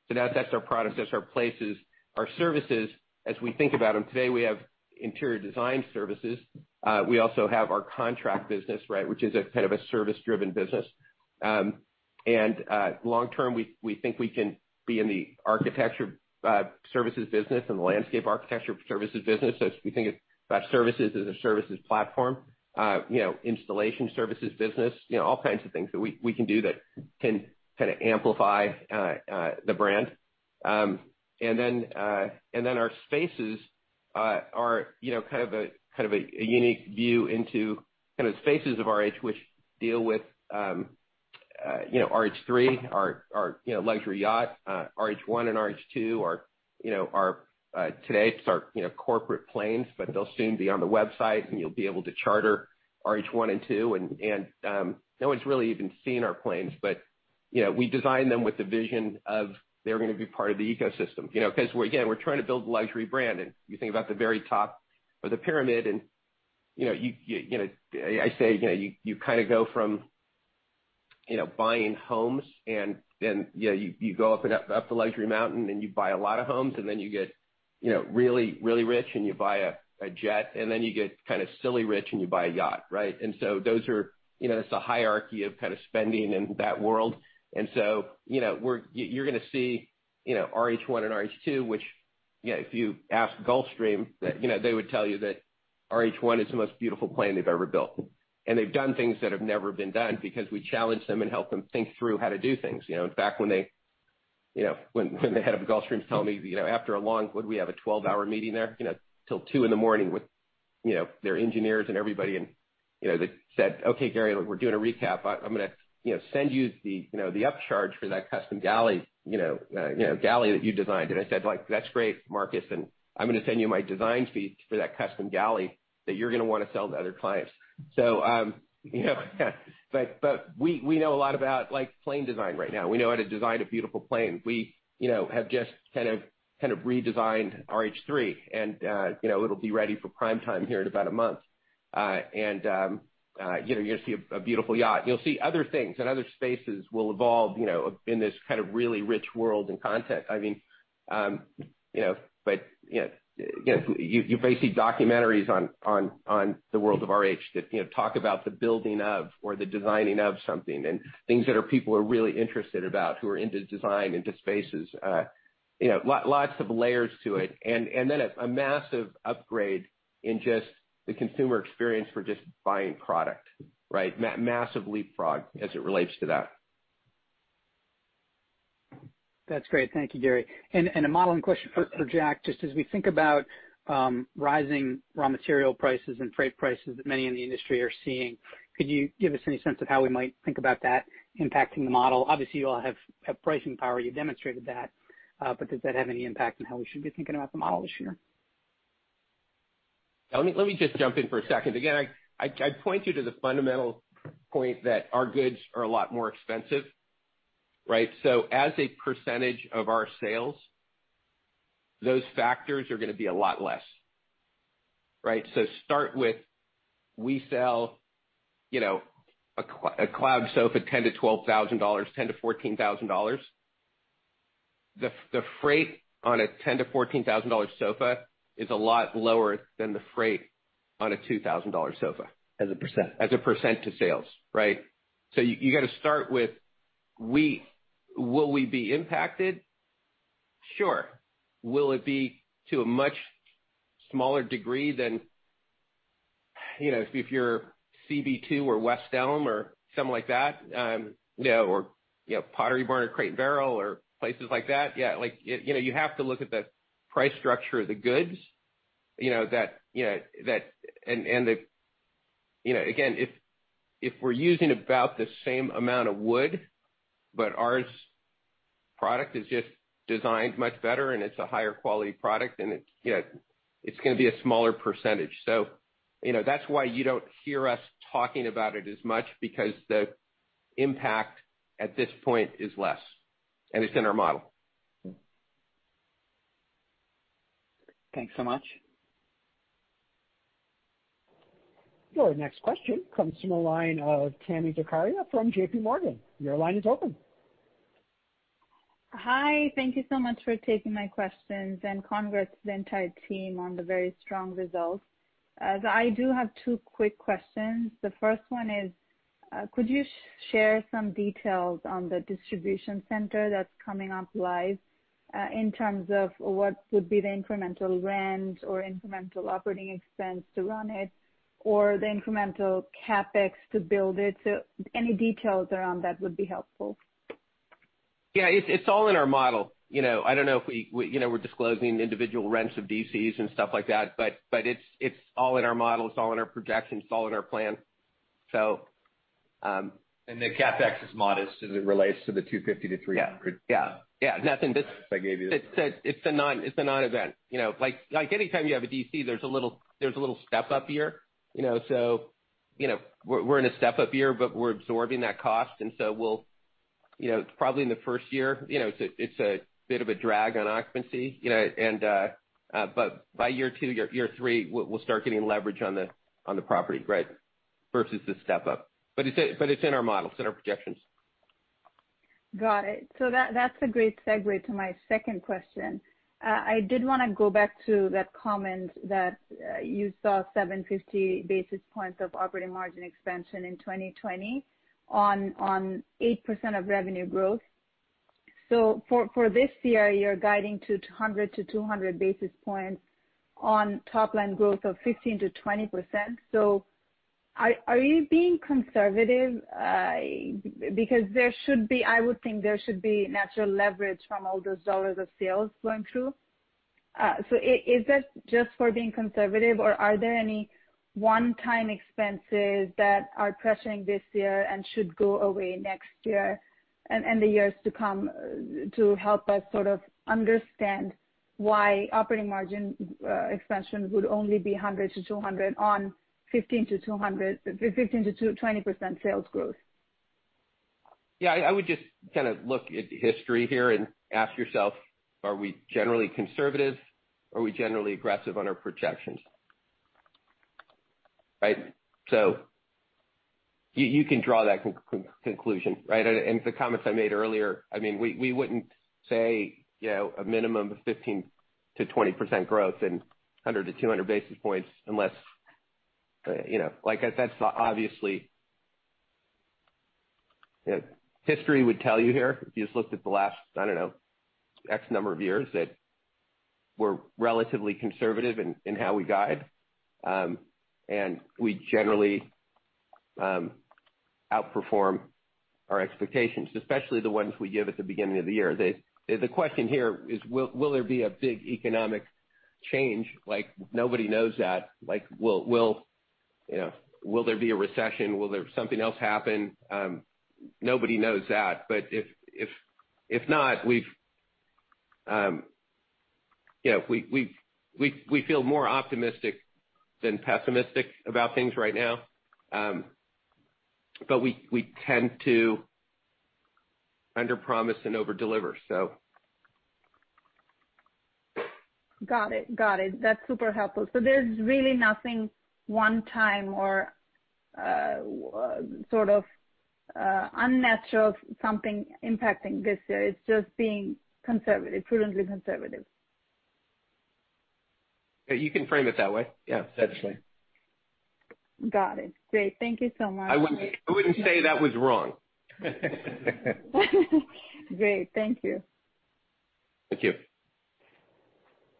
That's our products, that's our places. Our services, as we think about them today, we have interior design services. We also have our contract business, which is a service driven business. Long term, we think we can be in the architecture services business and the landscape architecture services business. We think about services as a services platform, installation services business, all kinds of things that we can do that can amplify the brand. Our spaces are kind of a unique view into kind of spaces of RH, which deal with RH3, our luxury yacht, RH1 and RH2 are today our corporate planes, but they'll soon be on the website and you'll be able to charter RH1 and RH2. No one's really even seen our planes, but we design them with the vision of they're going to be part of the ecosystem. Again, we're trying to build a luxury brand, and you think about the very top of the pyramid and I say you kind of go from buying homes and then you go up the luxury mountain, and you buy a lot of homes and then you get really rich and you buy a jet, and then you get kind of silly rich and you buy a yacht, right? That's the hierarchy of spending in that world. You're going to see RH1 and RH2, which, if you ask Gulfstream, they would tell you that RH1 is the most beautiful plane they've ever built. They've done things that have never been done because we challenged them and helped them think through how to do things. In fact, when the head of Gulfstream was telling me after a long, what'd we have, a 12-hour meeting there, till 2:00 A.M. with their engineers and everybody, and they said, "Okay, Gary, look, we're doing a recap. I'm going to send you the upcharge for that custom galley that you designed." I said, "That's great, Mark, and I'm going to send you my design fees for that custom galley that you're going to want to sell to other clients." We know a lot about plane design right now. We know how to design a beautiful plane. We have just kind of redesigned RH3 and it'll be ready for prime time here in about a month. You're going to see a beautiful yacht. You'll see other things and other spaces will evolve in this kind of really rich world and content. You may see documentaries on the World of RH that talk about the building of or the designing of something, and things that our people are really interested about who are into design, into spaces. Lots of layers to it. A massive upgrade in just the consumer experience for just buying product, right? Massive leapfrog as it relates to that. That's great. Thank you, Gary. A modeling question for Jack, just as we think about rising raw material prices and freight prices that many in the industry are seeing, could you give us any sense of how we might think about that impacting the model? Obviously, you all have pricing power, you demonstrated that, does that have any impact on how we should be thinking about the model this year? Let me just jump in for a second. Again, I'd point you to the fundamental point that our goods are a lot more expensive, right? As a percentage of our sales, those factors are going to be a lot less, right? Start with we sell a Cloud sofa, $10,000-$12,000, $10,000-$14,000. The freight on a $10,000-$14,000 sofa is a lot lower than the freight on a $2,000 sofa. As a percentage. As a percentage to sales, right? You got to start with will we be impacted? Sure. Will it be to a much smaller degree than if you're CB2 or West Elm or something like that? Pottery Barn or Crate & Barrel or places like that. You have to look at the price structure of the goods. Again, if we're using about the same amount of wood, but our product is just designed much better and it's a higher quality product and it's going to be a smaller percentage. That's why you don't hear us talking about it as much, because the impact at this point is less, and it's in our model. Thanks so much. Your next question comes from the line of Tami Zakaria from JPMorgan. Your line is open. Hi. Thank you so much for taking my questions, and congrats to the entire team on the very strong results. I do have two quick questions. The first one is could you share some details on the distribution center that's coming up live, in terms of what would be the incremental rent or incremental operating expense to run it, or the incremental CapEx to build it? Any details around that would be helpful. Yeah. It's all in our model. I don't know if we're disclosing individual rents of DCs and stuff like that, but it's all in our model. It's all in our projections. It's all in our plan. The CapEx is modest as it relates to the $250 million-$300 million? Yeah. It's a non-event. Like anytime you have a DC, there's a little step-up year. We're in a step-up year, but we're absorbing that cost, and so it's probably in the first year, it's a bit of a drag on occupancy. By year two, year three, we'll start getting leverage on the property, right, versus the step-up. It's in our models, it's in our projections. Got it. That's a great segue to my second question. I did want to go back to that comment that you saw 750 basis points of operating margin expansion in 2020 on 8% of revenue growth. For this year, you're guiding to 100-200 basis points on top line growth of 15%-20%. Are you being conservative? Because I would think there should be natural leverage from all those dollars of sales going through. Is this just for being conservative, or are there any one-time expenses that are pressuring this year and should go away next year and the years to come to help us sort of understand why operating margin expansion would only be 100-200 basis points on 15%-20% sales growth? Yeah, I would just kind of look at history here and ask yourself, are we generally conservative? Are we generally aggressive on our projections? Right. You can draw that conclusion, right? The comments I made earlier, we wouldn't say a minimum of 15%-20% growth and 100-200 basis points unless, obviously, history would tell you here, if you just looked at the last, I don't know, X number of years, that we're relatively conservative in how we guide. We generally outperform our expectations, especially the ones we give at the beginning of the year. The question here is will there be a big economic change? Nobody knows that. Will there be a recession? Will something else happen? Nobody knows that. If not, we feel more optimistic than pessimistic about things right now. We tend to underpromise and overdeliver. Got it. That's super helpful. There's really nothing one-time or sort of unnatural something impacting this year. It's just being prudently conservative. You can frame it that way, yeah, essentially.. Got it. Great. Thank you so much. I wouldn't say that was wrong. Great. Thank you. Thank you.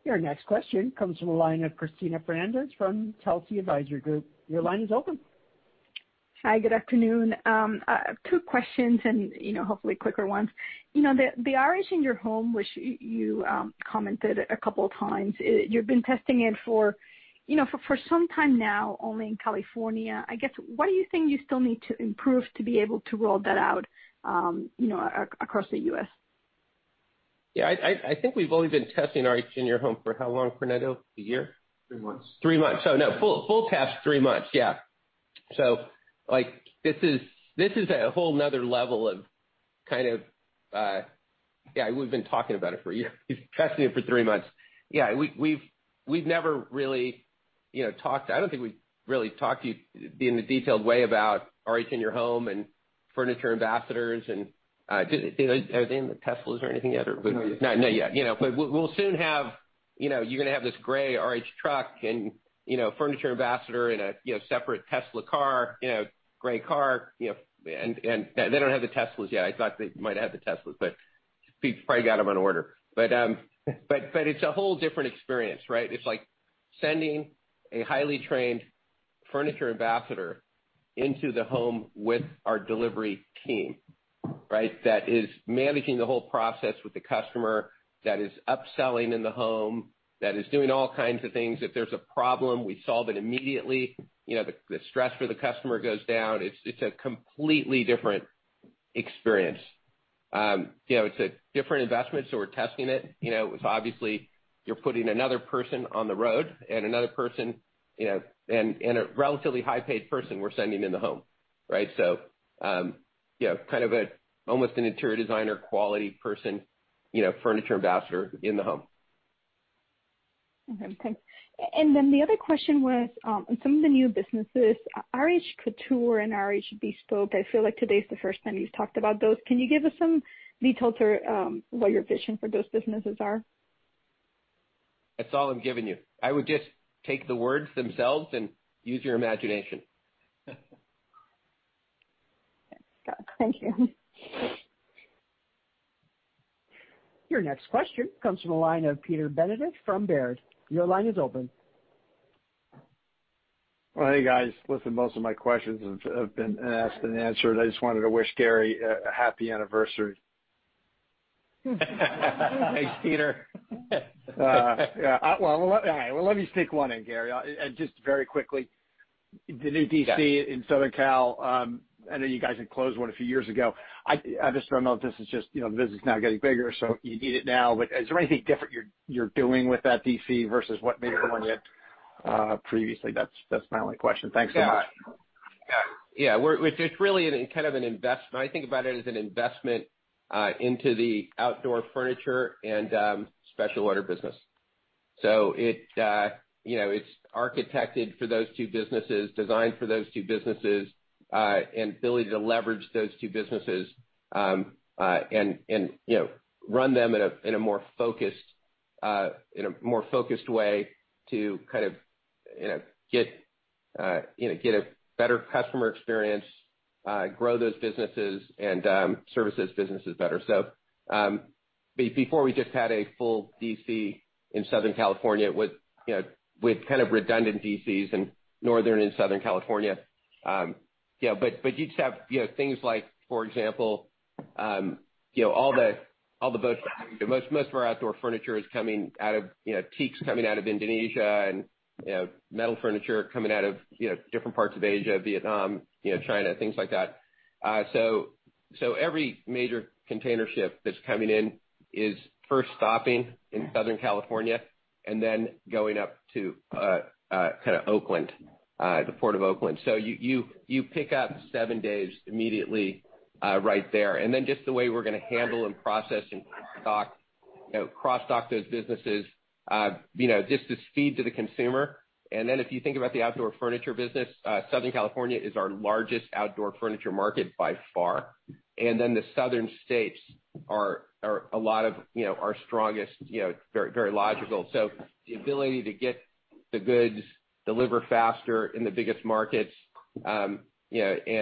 Your next question comes from the line of Cristina Fernandez from Telsey Advisory Group. Your line is open. Hi, good afternoon. Two questions and hopefully quicker ones. The RH In-Your-Home, which you commented a couple of times, you've been testing it for some time now, only in California. I guess, what do you think you still need to improve to be able to roll that out across the U.S.? Yeah. I think we've only been testing RH In-Your-Home for how long, Fernando? A year? Three months. Three months. Oh, no. Full test, three months. Yeah. This is a whole another level of kind of Yeah, we've been talking about it for a year. Testing it for three months. Yeah, we've never really talked. I don't think we've really talked to you in a detailed way about RH In-Your-Home and Furniture Ambassadors and Are they in the Teslas or anything yet, or? Not yet. Not yet. We'll soon have You're going to have this gray RH truck and Furniture Ambassador in a separate Tesla car, gray car. They don't have the Teslas yet. I thought they might have the Teslas, but we probably got them on order. It's a whole different experience, right? It's like sending a highly trained Furniture Ambassador into the home with our delivery team, right? That is managing the whole process with the customer, that is upselling in the home, that is doing all kinds of things. If there's a problem, we solve it immediately. The stress for the customer goes down. It's a completely different experience. It's a different investment. We're testing it. Obviously, you're putting another person on the road and a relatively high-paid person we're sending in the home, right? Almost an interior designer quality person, Furniture Ambassador in the home. Okay, thanks. The other question was on some of the new businesses, RH Couture and RH Bespoke. I feel like today's the first time you've talked about those. Can you give us some details or what your vision for those businesses are? That's all I'm giving you. I would just take the words themselves and use your imagination. Got it. Thank you. Your next question comes from the line of Peter Benedict from Baird. Your line is open. Well, hey, guys. Listen, most of my questions have been asked and answered. I just wanted to wish Gary a happy anniversary. Thanks, Peter. Yeah. Well, let me sneak one in, Gary, just very quickly. The new DC in Southern Cal. I know you guys had closed one a few years ago. I just don't know if this is just the business now getting bigger, so you need it now. Is there anything different you're doing with that DC versus what made the one you had previously? That's my only question. Thanks so much. Yeah. It's really kind of an investment. I think about it as an investment into the outdoor furniture and special order business. It's architected for those two businesses, designed for those two businesses, and ability to leverage those two businesses, and run them in a more focused way to kind of get a better customer experience, grow those businesses, and service those businesses better. Before we just had a full DC in Southern California with kind of redundant DCs in Northern and Southern California. You'd have things like, for example, most of our outdoor furniture is coming out of, teak's coming out of Indonesia and metal furniture coming out of different parts of Asia, Vietnam, China, things like that. Every major container ship that's coming in is first stopping in Southern California and then going up to kind of Oakland, the Port of Oakland. You pick up seven days immediately right there. Just the way we're going to handle and process and cross-dock those businesses just to speed to the consumer. If you think about the outdoor furniture business, Southern California is our largest outdoor furniture market by far. The southern states are a lot of our strongest, very logical. The ability to get the goods delivered faster in the biggest markets, and hit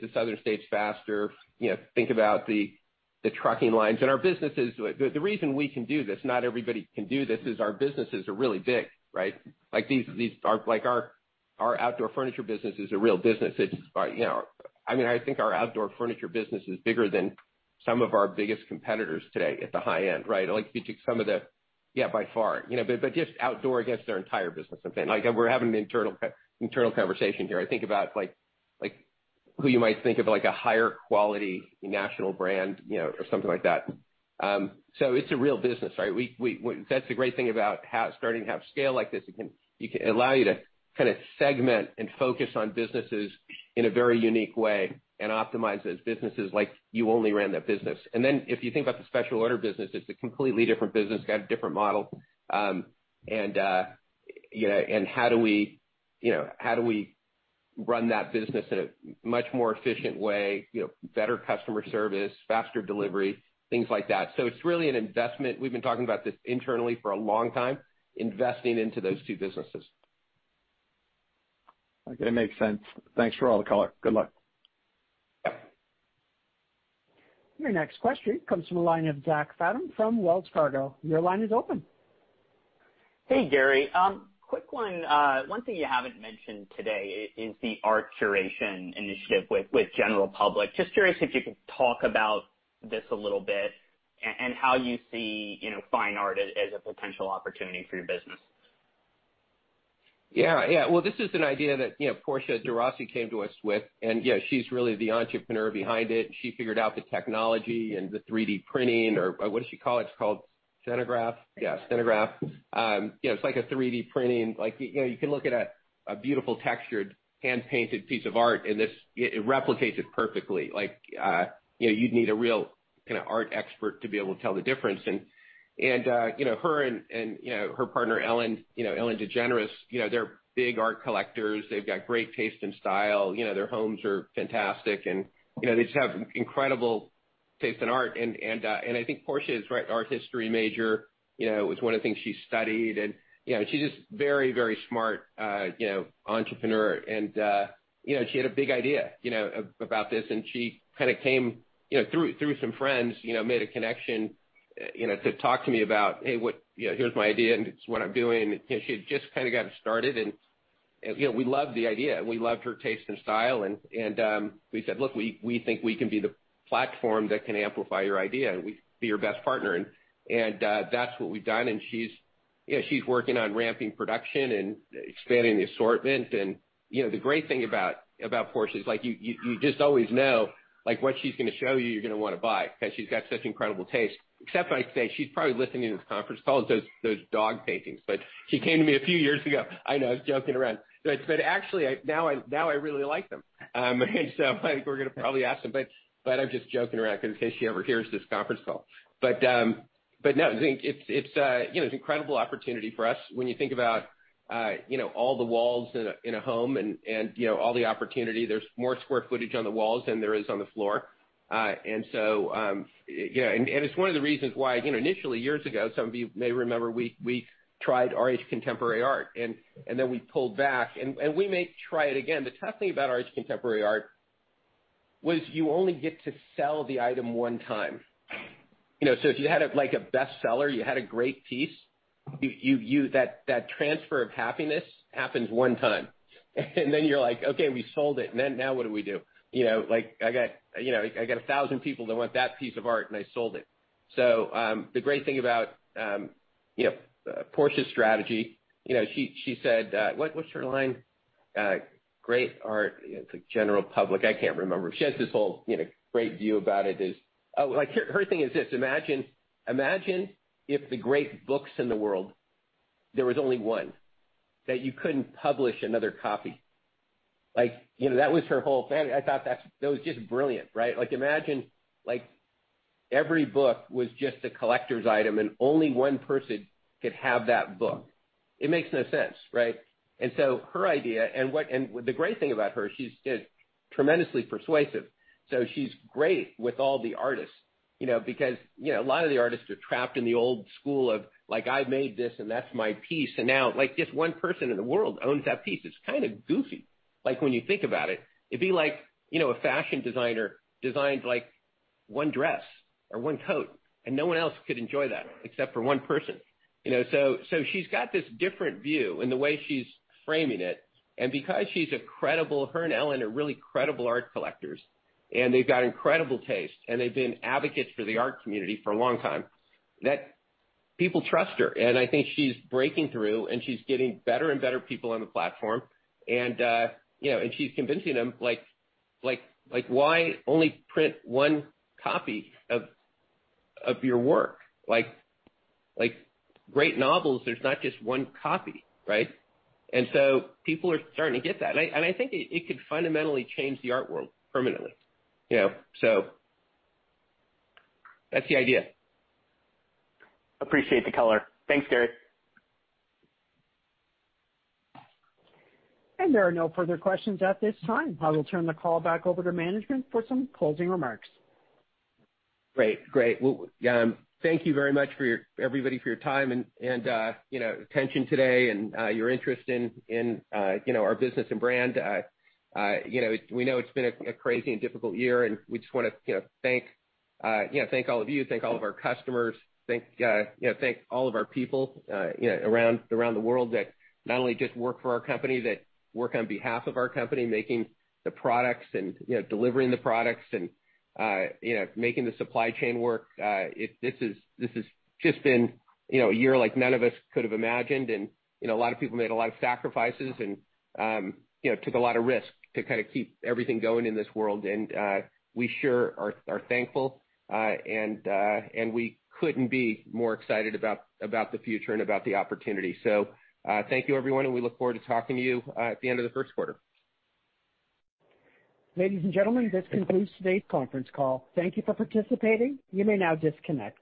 the southern states faster, think about the trucking lines. Our businesses, the reason we can do this, not everybody can do this, is our businesses are really big, right? Like our outdoor furniture business is a real business. I think our outdoor furniture business is bigger than some of our biggest competitors today at the high end, right? Like if you took some of the, yeah, by far. Just outdoor against their entire business. Like we're having an internal conversation here. Think about who you might think of like a higher quality national brand or something like that. It's a real business, right? That's the great thing about starting to have scale like this. It can allow you to kind of segment and focus on businesses in a very unique way and optimize those businesses like you only ran that business. If you think about the special order business, it's a completely different business, got a different model. How do we run that business in a much more efficient way, better customer service, faster delivery, things like that. It's really an investment. We've been talking about this internally for a long time, investing into those two businesses. Okay. Makes sense. Thanks for all the color. Good luck. Yeah. Your next question comes from the line of Zach Fadem from Wells Fargo. Hey, Gary. Quick one. One thing you haven't mentioned today is the art curation initiative with General Public. Just curious if you could talk about this a little bit and how you see fine art as a potential opportunity for your business. Yeah. Well, this is an idea that Portia de Rossi came to us with, and she's really the entrepreneur behind it, and she figured out the technology and the 3D printing, or what does she call it? It's called Synograph. Yeah, Synograph. It's like a 3D printing. You can look at a beautiful, textured, hand-painted piece of art, and it replicates it perfectly. You'd need a real art expert to be able to tell the difference. Her and her partner, Ellen DeGeneres, they're big art collectors. They've got great taste and style. Their homes are fantastic, and they just have incredible taste in art. I think Portia is an art history major. It was one of the things she studied, and she's just very smart entrepreneur, and she had a big idea about this, and she kind of came through some friends, made a connection to talk to me about, "Hey, here's my idea, and this is what I'm doing." She had just kind of gotten started, and we loved the idea. We loved her taste in style, and we said, "Look, we think we can be the platform that can amplify your idea. We'd be your best partner." That's what we've done. She's working on ramping production and expanding the assortment. The great thing about Portia is you just always know what she's going to show you're going to want to buy, because she's got such incredible taste. Except I say she's probably listening to this conference call with those dog paintings. She came to me a few years ago. I know, I was joking around. Actually, now I really like them. I think we're going to probably ask them, but I'm just joking around in case she ever hears this conference call. No, I think it's an incredible opportunity for us when you think about all the walls in a home and all the opportunity. There's more square footage on the walls than there is on the floor. It's one of the reasons why initially years ago, some of you may remember, we tried RH Contemporary Art, and then we pulled back, and we may try it again. The tough thing about RH Contemporary Art was you only get to sell the item one time. If you had a best seller, you had a great piece. That transfer of happiness happens one time, and then you're like, "Okay, we sold it, and then now what do we do?" I got 1,000 people that want that piece of art, and I sold it. The great thing about Portia's strategy, she said What's her line? Great art. It's General Public. I can't remember. She has this whole great view about it is. Oh, her thing is this. Imagine if the great books in the world, there was only one. That you couldn't publish another copy. That was her whole thing. I thought that was just brilliant. Imagine every book was just a collector's item, and only one person could have that book. It makes no sense, right? Her idea, and the great thing about her, she's tremendously persuasive. She's great with all the artists, because a lot of the artists are trapped in the old school of, "I made this, and that's my piece." Now this one person in the world owns that piece. It's kind of goofy when you think about it. It'd be like a fashion designer designs one dress or one coat, and no one else could enjoy that except for one person. She's got this different view in the way she's framing it. Her and Ellen are really credible art collectors, and they've got incredible taste, and they've been advocates for the art community for a long time, that people trust her. I think she's breaking through, and she's getting better and better people on the platform. She's convincing them why only print one copy of your work? Great novels, there's not just one copy, right? People are starting to get that. I think it could fundamentally change the art world permanently. That's the idea. Appreciate the color. Thanks, Gary. There are no further questions at this time. I will turn the call back over to management for some closing remarks. Great. Thank you very much, everybody, for your time and attention today and your interest in our business and brand. We know it's been a crazy and difficult year. We just want to thank all of you, thank all of our customers, thank all of our people around the world that not only just work for our company, that work on behalf of our company, making the products and delivering the products and making the supply chain work. This has just been a year like none of us could've imagined. A lot of people made a lot of sacrifices and took a lot of risk to keep everything going in this world. We sure are thankful, and we couldn't be more excited about the future and about the opportunity. Thank you, everyone, and we look forward to talking to you at the end of the first quarter. Ladies and gentlemen, this concludes today's conference call. Thank you for participating. You may now disconnect.